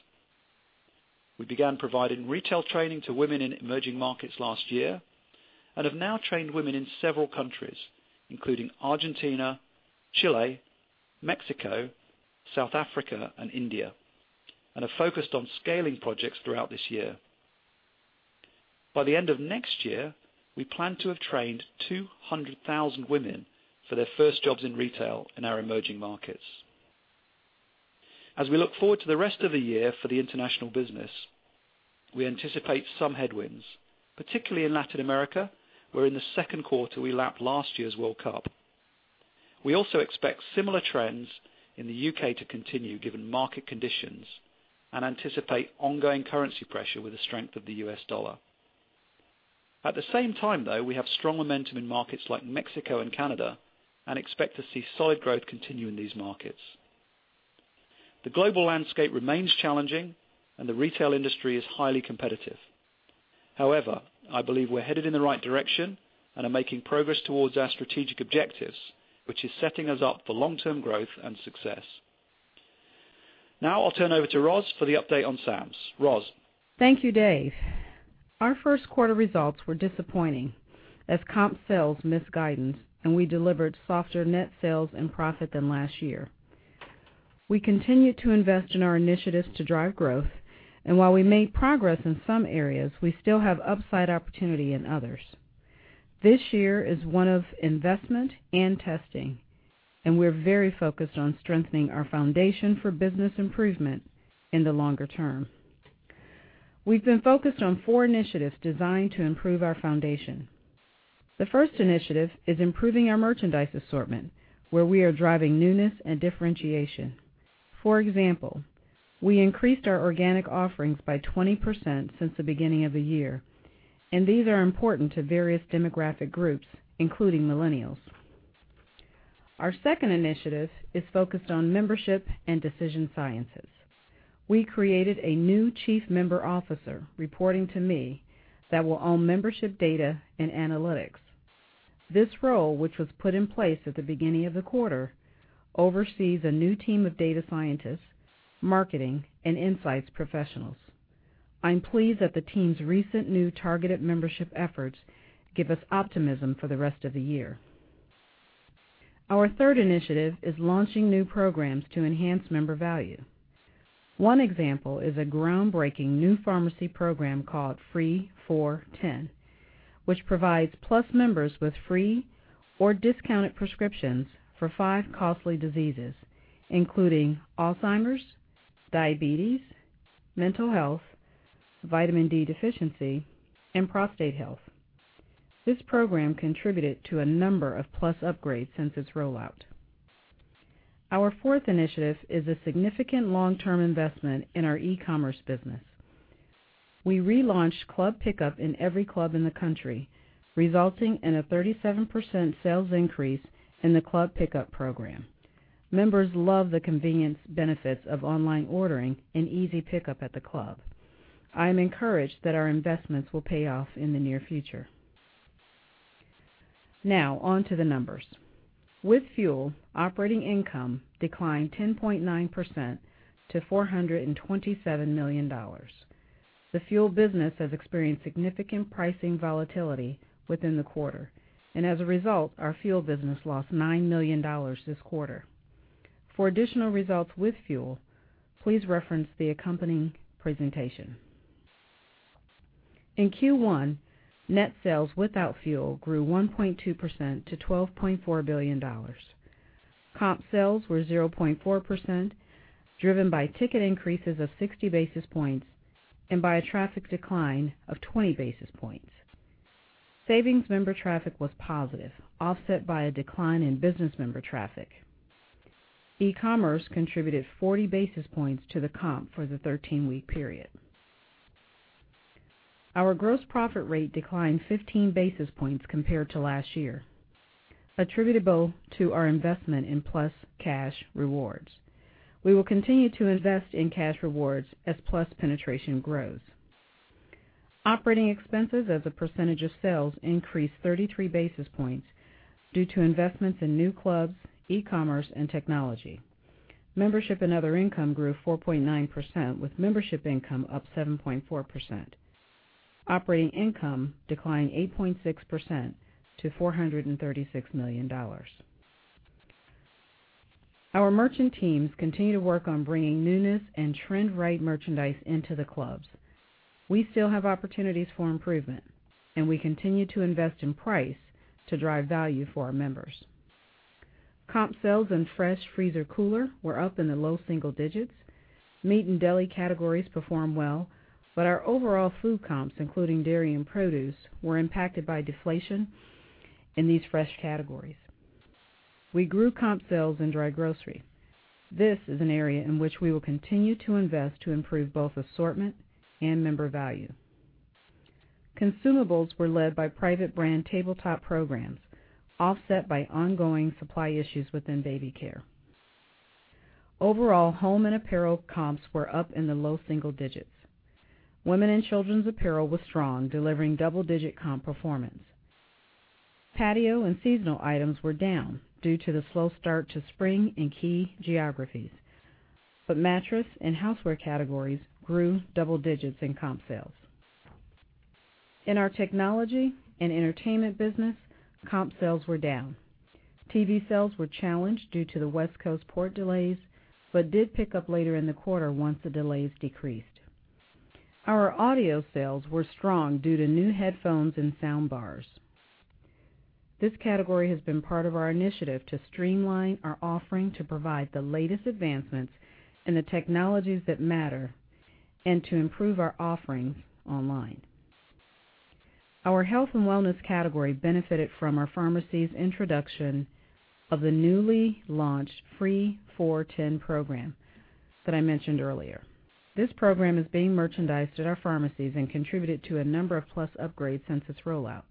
We began providing retail training to women in emerging markets last year and have now trained women in several countries, including Argentina, Chile, Mexico, South Africa, and India, and are focused on scaling projects throughout this year. By the end of next year, we plan to have trained 200,000 women for their first jobs in retail in our emerging markets. As we look forward to the rest of the year for the international business, we anticipate some headwinds, particularly in Latin America, where in the second quarter we lapped last year's World Cup. We also expect similar trends in the U.K. to continue given market conditions, and anticipate ongoing currency pressure with the strength of the U.S. dollar. At the same time, though, we have strong momentum in markets like Mexico and Canada and expect to see solid growth continue in these markets. The global landscape remains challenging and the retail industry is highly competitive. However, I believe we're headed in the right direction and are making progress towards our strategic objectives, which is setting us up for long-term growth and success. Now I'll turn over to Roz for the update on Sam's. Roz? Thank you, Dave. Our first quarter results were disappointing as comp sales missed guidance and we delivered softer net sales and profit than last year. We continue to invest in our initiatives to drive growth, and while we made progress in some areas, we still have upside opportunity in others. This year is one of investment and testing, and we're very focused on strengthening our foundation for business improvement in the longer term. We've been focused on four initiatives designed to improve our foundation. The first initiative is improving our merchandise assortment, where we are driving newness and differentiation. For example, we increased our organic offerings by 20% since the beginning of the year, and these are important to various demographic groups, including millennials. Our second initiative is focused on membership and decision sciences. We created a new chief member officer, reporting to me, that will own membership data and analytics. This role, which was put in place at the beginning of the quarter, oversees a new team of data scientists, marketing, and insights professionals. I'm pleased that the team's recent new targeted membership efforts give us optimism for the rest of the year. Our third initiative is launching new programs to enhance member value. One example is a groundbreaking new pharmacy program called Free for 10, which provides Plus members with free or discounted prescriptions for five costly diseases, including Alzheimer's, diabetes, mental health, vitamin D deficiency, and prostate health. This program contributed to a number of Plus upgrades since its rollout. Our fourth initiative is a significant long-term investment in our e-commerce business. We relaunched Club Pickup in every club in the country, resulting in a 37% sales increase in the Club Pickup program. Members love the convenience benefits of online ordering and easy pickup at the club. I am encouraged that our investments will pay off in the near future. Now on to the numbers. With fuel, operating income declined 10.9% to $427 million. The fuel business has experienced significant pricing volatility within the quarter, and as a result, our fuel business lost $9 million this quarter. For additional results with fuel, please reference the accompanying presentation. In Q1, net sales without fuel grew 1.2% to $12.4 billion. Comp sales were 0.4%, driven by ticket increases of 60 basis points and by a traffic decline of 20 basis points. Savings member traffic was positive, offset by a decline in business member traffic. E-commerce contributed 40 basis points to the comp for the 13-week period. Our gross profit rate declined 15 basis points compared to last year, attributable to our investment in Plus Cash Rewards. We will continue to invest in cash rewards as Plus penetration grows. Operating expenses as a percentage of sales increased 33 basis points due to investments in new clubs, e-commerce, and technology. Membership and other income grew 4.9%, with membership income up 7.4%. Operating income declined 8.6% to $436 million. Our merchant teams continue to work on bringing newness and trend-right merchandise into the clubs. We still have opportunities for improvement, and we continue to invest in price to drive value for our members. Comp sales in fresh freezer cooler were up in the low single digits. Meat and deli categories perform well, our overall food comps, including dairy and produce, were impacted by deflation in these fresh categories. We grew comp sales in dry grocery. This is an area in which we will continue to invest to improve both assortment and member value. Consumables were led by private brand tabletop programs, offset by ongoing supply issues within baby care. Overall, home and apparel comps were up in the low single digits. Women and children's apparel was strong, delivering double-digit comp performance. Patio and seasonal items were down due to the slow start to spring in key geographies. Mattress and houseware categories grew double digits in comp sales. In our technology and entertainment business, comp sales were down. TV sales were challenged due to the West Coast port delays, but did pick up later in the quarter once the delays decreased. Our audio sales were strong due to new headphones and soundbars. This category has been part of our initiative to streamline our offering to provide the latest advancements in the technologies that matter and to improve our offerings online. Our health and wellness category benefited from our pharmacy's introduction of the newly launched Free for 10 program that I mentioned earlier. This program is being merchandised at our pharmacies and contributed to a number of Plus upgrades since its rollout.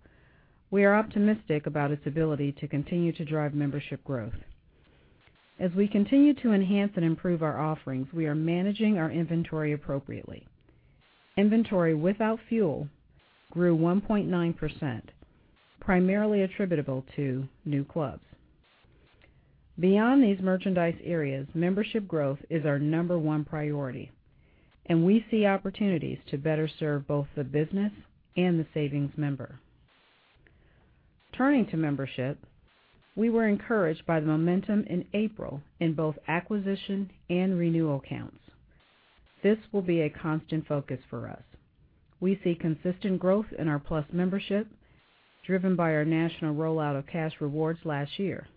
We are optimistic about its ability to continue to drive membership growth. As we continue to enhance and improve our offerings, we are managing our inventory appropriately. Inventory without fuel grew 1.9%, primarily attributable to new clubs. Beyond these merchandise areas, membership growth is our number one priority, and we see opportunities to better serve both the business and the savings member. Turning to membership, we were encouraged by the momentum in April in both acquisition and renewal counts. This will be a constant focus for us. We see consistent growth in our Plus Membership, driven by our national rollout of Cash Rewards last year.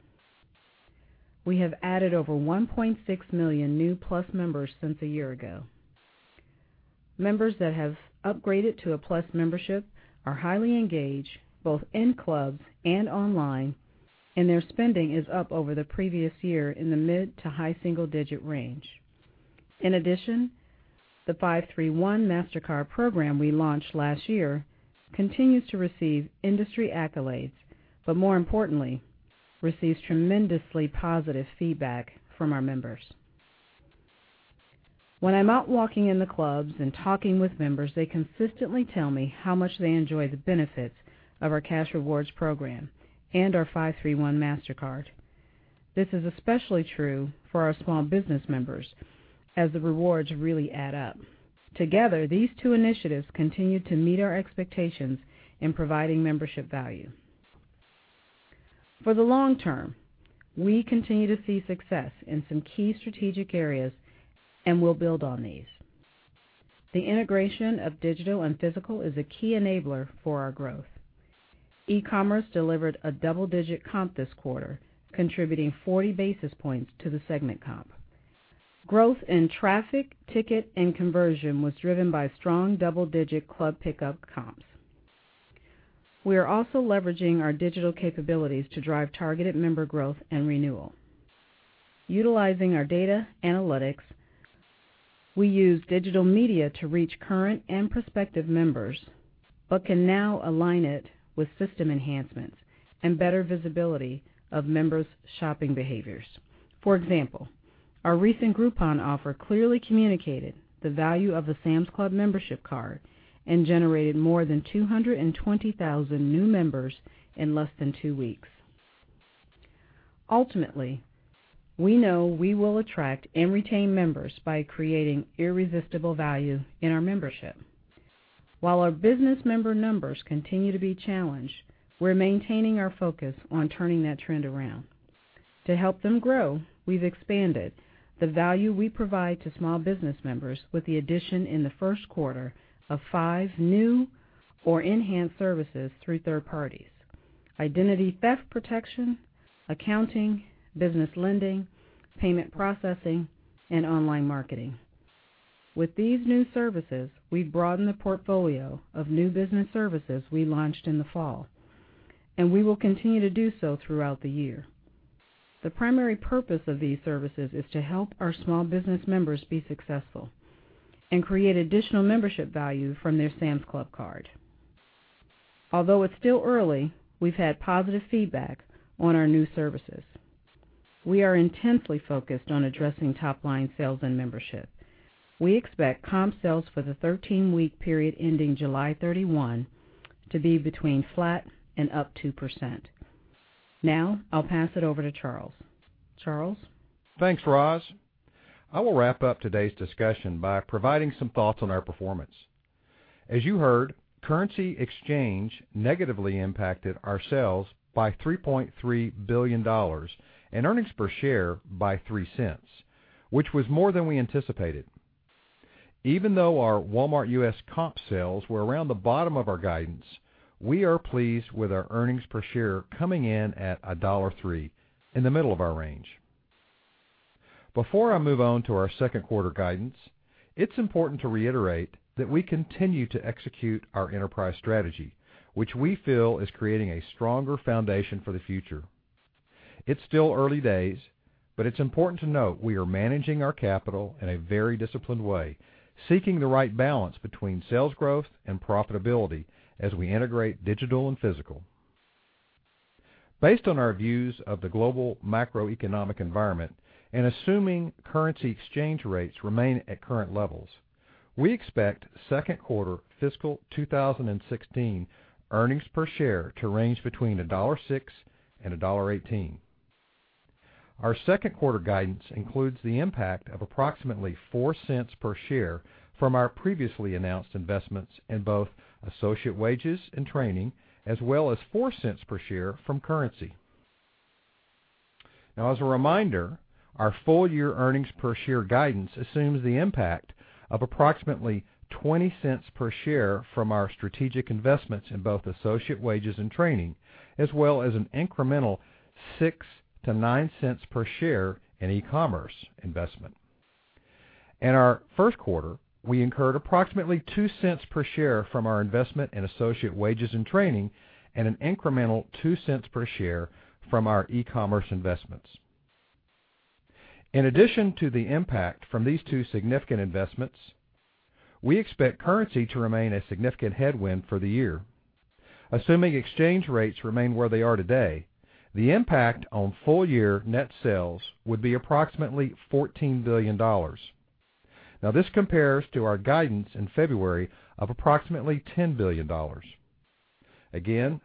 We have added over 1.6 million new Plus members since a year ago. Members that have upgraded to a Plus Membership are highly engaged, both in clubs and online, and their spending is up over the previous year in the mid to high single-digit range. More importantly, the 5-3-1 Mastercard program we launched last year continues to receive industry accolades, but receives tremendously positive feedback from our members. When I'm out walking in the clubs and talking with members, they consistently tell me how much they enjoy the benefits of our Cash Rewards program and our 5-3-1 Mastercard. This is especially true for our small business members, as the rewards really add up. Together, these two initiatives continue to meet our expectations in providing membership value. For the long term, we continue to see success in some key strategic areas, and we'll build on these. The integration of digital and physical is a key enabler for our growth. E-commerce delivered a double-digit comp this quarter, contributing 40 basis points to the segment comp. Growth in traffic, ticket, and conversion was driven by strong double-digit Club Pickup comps. We are also leveraging our digital capabilities to drive targeted member growth and renewal. Utilizing our data analytics, we use digital media to reach current and prospective members, but we can now align it with system enhancements and better visibility of members' shopping behaviors. For example, our recent Groupon offer clearly communicated the value of the Sam's Club membership card and generated more than 220,000 new members in less than two weeks. Ultimately, we know we will attract and retain members by creating irresistible value in our membership. While our business member numbers continue to be challenged, we're maintaining our focus on turning that trend around. To help them grow, we've expanded the value we provide to small business members with the addition in the first quarter of five new or enhanced services through third parties: identity theft protection, accounting, business lending, payment processing, and online marketing. With these new services, we've broadened the portfolio of new business services we launched in the fall, and we will continue to do so throughout the year. The primary purpose of these services is to help our small business members be successful and create additional membership value from their Sam's Club card. Although it's still early, we've had positive feedback on our new services. We are intensely focused on addressing top-line sales and membership. We expect comp sales for the 13-week period ending July 31 to be between flat and up 2%. I'll pass it over to Charles. Charles? Thanks, Roz. I will wrap up today's discussion by providing some thoughts on our performance. As you heard, currency exchange negatively impacted our sales by $3.3 billion and earnings per share by $0.03, which was more than we anticipated. Even though our Walmart U.S. comp sales were around the bottom of our guidance, we are pleased with our earnings per share coming in at $1.03, in the middle of our range. Before I move on to our second quarter guidance, it's important to reiterate that we continue to execute our enterprise strategy, which we feel is creating a stronger foundation for the future. It's still early days. It's important to note we are managing our capital in a very disciplined way, seeking the right balance between sales growth and profitability as we integrate digital and physical. Based on our views of the global macroeconomic environment and assuming currency exchange rates remain at current levels, we expect second quarter fiscal 2016 earnings per share to range between $1.06 and $1.18. Our second quarter guidance includes the impact of approximately $0.04 per share from our previously announced investments in both associate wages and training, as well as $0.04 per share from currency. As a reminder, our full-year earnings per share guidance assumes the impact of approximately $0.20 per share from our strategic investments in both associate wages and training, as well as an incremental $0.06-$0.09 per share in e-commerce investment. In our first quarter, we incurred approximately $0.02 per share from our investment in associate wages and training and an incremental $0.02 per share from our e-commerce investments. In addition to the impact from these two significant investments, we expect currency to remain a significant headwind for the year. Assuming exchange rates remain where they are today, the impact on full-year net sales would be approximately $14 billion. This compares to our guidance in February of approximately $10 billion.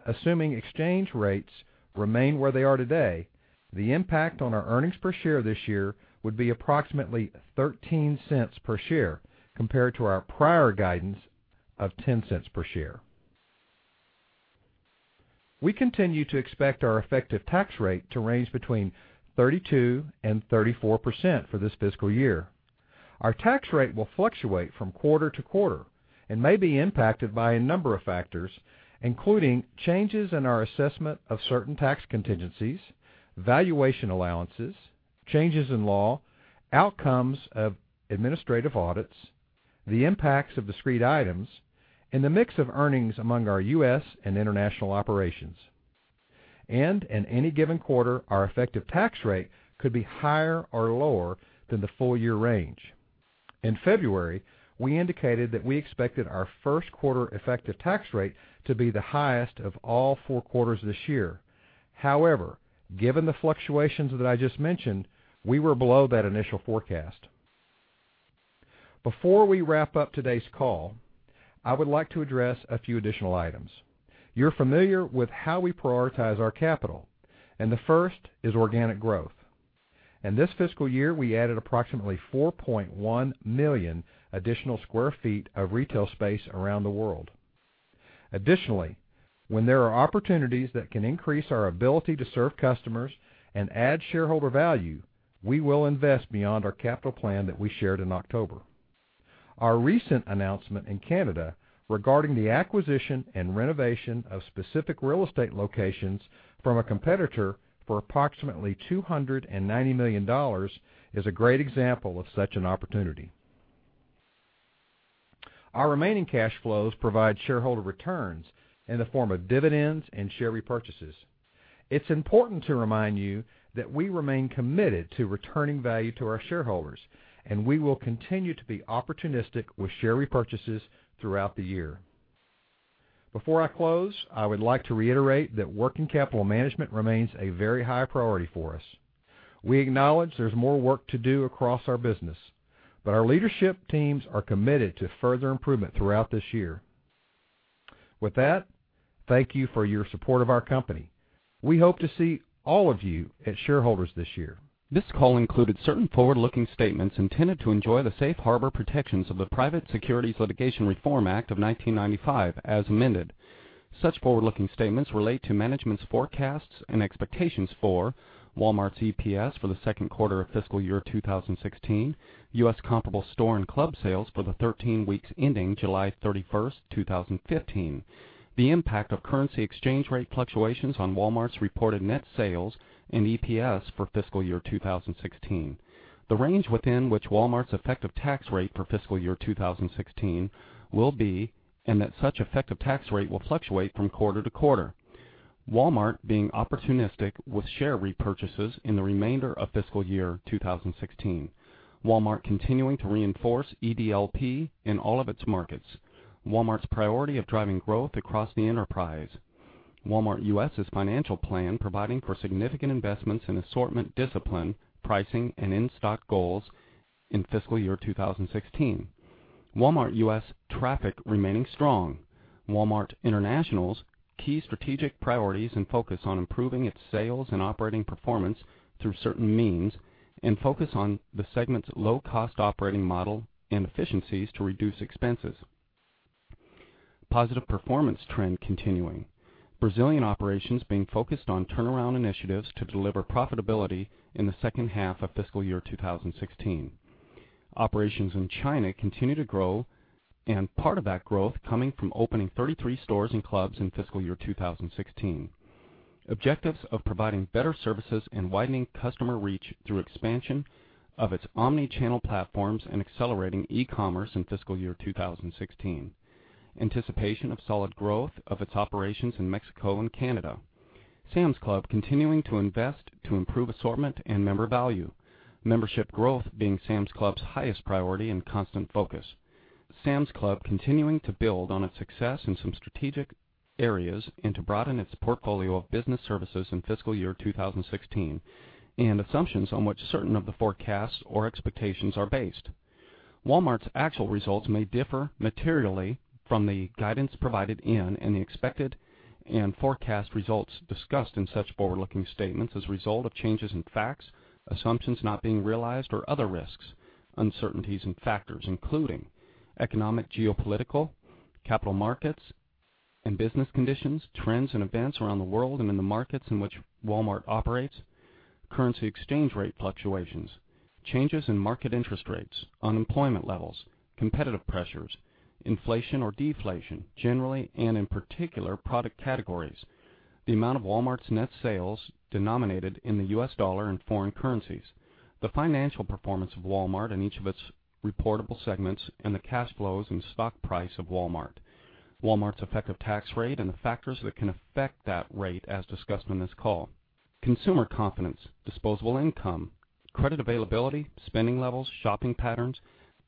Assuming exchange rates remain where they are today, the impact on our earnings per share this year would be approximately $0.13 per share compared to our prior guidance of $0.10 per share. We continue to expect our effective tax rate to range between 32% and 34% for this fiscal year. Our tax rate will fluctuate from quarter to quarter and may be impacted by a number of factors, including changes in our assessment of certain tax contingencies, valuation allowances, changes in law, outcomes of administrative audits, the impacts of discrete items, and the mix of earnings among our U.S. and international operations. In any given quarter, our effective tax rate could be higher or lower than the full-year range. In February, we indicated that we expected our first quarter effective tax rate to be the highest of all four quarters this year. However, given the fluctuations that I just mentioned, we were below that initial forecast. Before we wrap up today's call, I would like to address a few additional items. You're familiar with how we prioritize our capital. The first is organic growth. In this fiscal year, we added approximately 4.1 million additional square feet of retail space around the world. Additionally, when there are opportunities that can increase our ability to serve customers and add shareholder value, we will invest beyond our capital plan that we shared in October. Our recent announcement in Canada regarding the acquisition and renovation of specific real estate locations from a competitor for approximately $290 million is a great example of such an opportunity. Our remaining cash flows provide shareholder returns in the form of dividends and share repurchases. It's important to remind you that we remain committed to returning value to our shareholders, and we will continue to be opportunistic with share repurchases throughout the year. Before I close, I would like to reiterate that working capital management remains a very high priority for us. We acknowledge there's more work to do across our business. Our leadership teams are committed to further improvement throughout this year. With that, thank you for your support of our company. We hope to see all of you at Shareholders this year. This call included certain forward-looking statements intended to enjoy the safe harbor protections of the Private Securities Litigation Reform Act of 1995 as amended. Such forward-looking statements relate to management's forecasts and expectations for Walmart's EPS for the second quarter of fiscal year 2016, U.S. comparable store and club sales for the 13 weeks ending July 31st, 2015, the impact of currency exchange rate fluctuations on Walmart's reported net sales and EPS for fiscal year 2016. The range within which Walmart's effective tax rate for fiscal year 2016 will be, and that such effective tax rate will fluctuate from quarter to quarter. Walmart being opportunistic with share repurchases in the remainder of fiscal year 2016. Walmart continuing to reinforce EDLP in all of its markets. Walmart's priority of driving growth across the enterprise. Walmart U.S.' financial plan providing for significant investments in assortment discipline, pricing, and in-stock goals in fiscal year 2016. Walmart U.S. traffic remaining strong. Walmart International's key strategic priorities and focus on improving its sales and operating performance through certain means, and focus on the segment's low-cost operating model and efficiencies to reduce expenses. Positive performance trend continuing. Brazilian operations being focused on turnaround initiatives to deliver profitability in the second half of fiscal year 2016. Operations in China continue to grow. Part of that growth coming from opening 33 stores and clubs in fiscal year 2016. Objectives of providing better services and widening customer reach through expansion of its omni-channel platforms and accelerating e-commerce in fiscal year 2016. Anticipation of solid growth of its operations in Mexico and Canada. Sam's Club continuing to invest to improve assortment and member value. Membership growth being Sam's Club's highest priority and constant focus. Sam's Club continuing to build on its success in some strategic areas and to broaden its portfolio of business services in fiscal year 2016, and assumptions on which certain of the forecasts or expectations are based. Walmart's actual results may differ materially from the guidance provided in any expected and forecast results discussed in such forward-looking statements as a result of changes in facts, assumptions not being realized, or other risks, uncertainties, and factors including economic, geopolitical, capital markets, and business conditions, trends and events around the world and in the markets in which Walmart operates, currency exchange rate fluctuations, changes in market interest rates, unemployment levels, competitive pressures, inflation or deflation, generally and in particular product categories, the amount of Walmart's net sales denominated in the U.S. dollar and foreign currencies, the financial performance of Walmart and each of its reportable segments, and the cash flows and stock price of Walmart's effective tax rate, and the factors that can affect that rate as discussed on this call. Consumer confidence, disposable income, credit availability, spending levels, shopping patterns,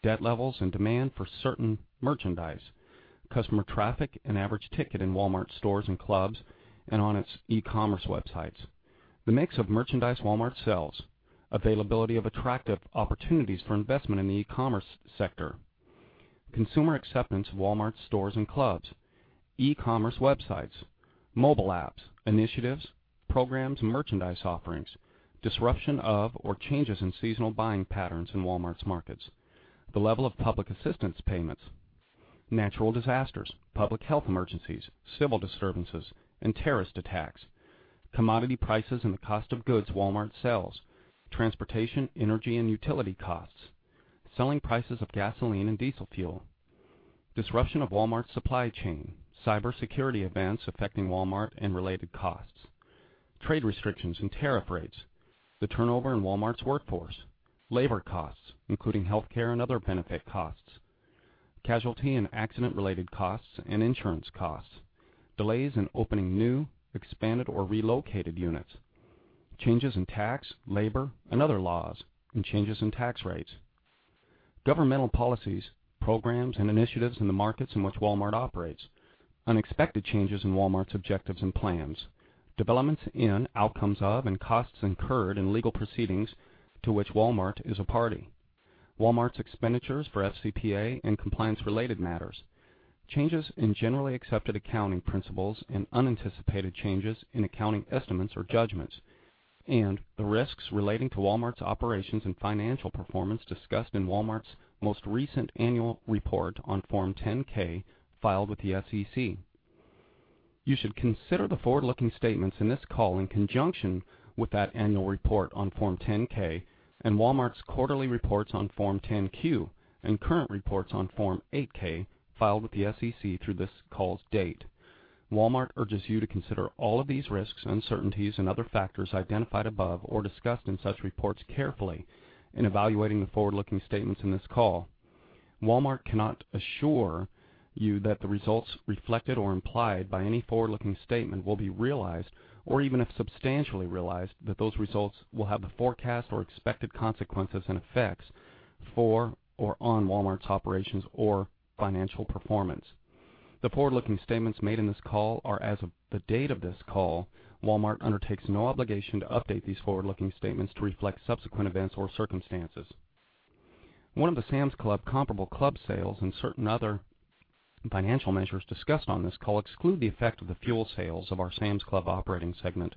debt levels, and demand for certain merchandise, customer traffic, and average ticket in Walmart stores and clubs and on its e-commerce websites. The mix of merchandise Walmart sells, availability of attractive opportunities for investment in the e-commerce sector, consumer acceptance of Walmart's stores and clubs, e-commerce websites, mobile apps, initiatives, programs, merchandise offerings, disruption of or changes in seasonal buying patterns in Walmart's markets, the level of public assistance payments, natural disasters, public health emergencies, civil disturbances, and terrorist attacks, commodity prices and the cost of goods Walmart sells, transportation, energy, and utility costs, selling prices of gasoline and diesel fuel, disruption of Walmart's supply chain, cybersecurity events affecting Walmart and related costs, trade restrictions and tariff rates, the turnover in Walmart's workforce, labor costs, including healthcare and other benefit costs, casualty and accident-related costs and insurance costs, delays in opening new, expanded, or relocated units, changes in tax, labor, and other laws, and changes in tax rates, governmental policies, programs, and initiatives in the markets in which Walmart operates, unexpected changes in Walmart's objectives and plans, developments in outcomes of and costs incurred in legal proceedings to which Walmart is a party, Walmart's expenditures for FCPA and compliance-related matters, changes in generally accepted accounting principles and unanticipated changes in accounting estimates or judgments, and the risks relating to Walmart's operations and financial performance discussed in Walmart's most recent annual report on Form 10-K filed with the SEC. You should consider the forward-looking statements in this call in conjunction with that annual report on Form 10-K and Walmart's quarterly reports on Form 10-Q and current reports on Form 8-K filed with the SEC through this call's date. Walmart urges you to consider all of these risks, uncertainties, and other factors identified above or discussed in such reports carefully in evaluating the forward-looking statements in this call. Walmart cannot assure you that the results reflected or implied by any forward-looking statement will be realized or even if substantially realized, that those results will have the forecast or expected consequences and effects for or on Walmart's operations or financial performance. The forward-looking statements made in this call are as of the date of this call. Walmart undertakes no obligation to update these forward-looking statements to reflect subsequent events or circumstances. One of the Sam's Club comparable club sales and certain other financial measures discussed on this call exclude the effect of the fuel sales of our Sam's Club operating segment.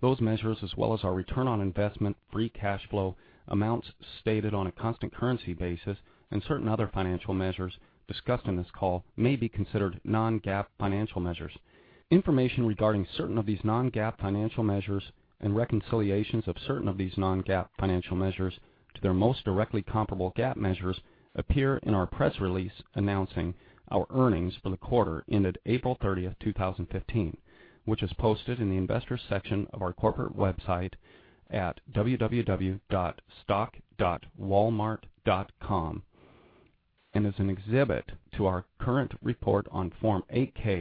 Those measures, as well as our return on investment, free cash flow amounts stated on a constant currency basis, and certain other financial measures discussed in this call may be considered non-GAAP financial measures. Information regarding certain of these non-GAAP financial measures and reconciliations of certain of these non-GAAP financial measures to their most directly comparable GAAP measures appear in our press release announcing our earnings for the quarter ended April 30th, 2015, which is posted in the investors section of our corporate website at www.stock.walmart.com and is an exhibit to our current report on Form 8-K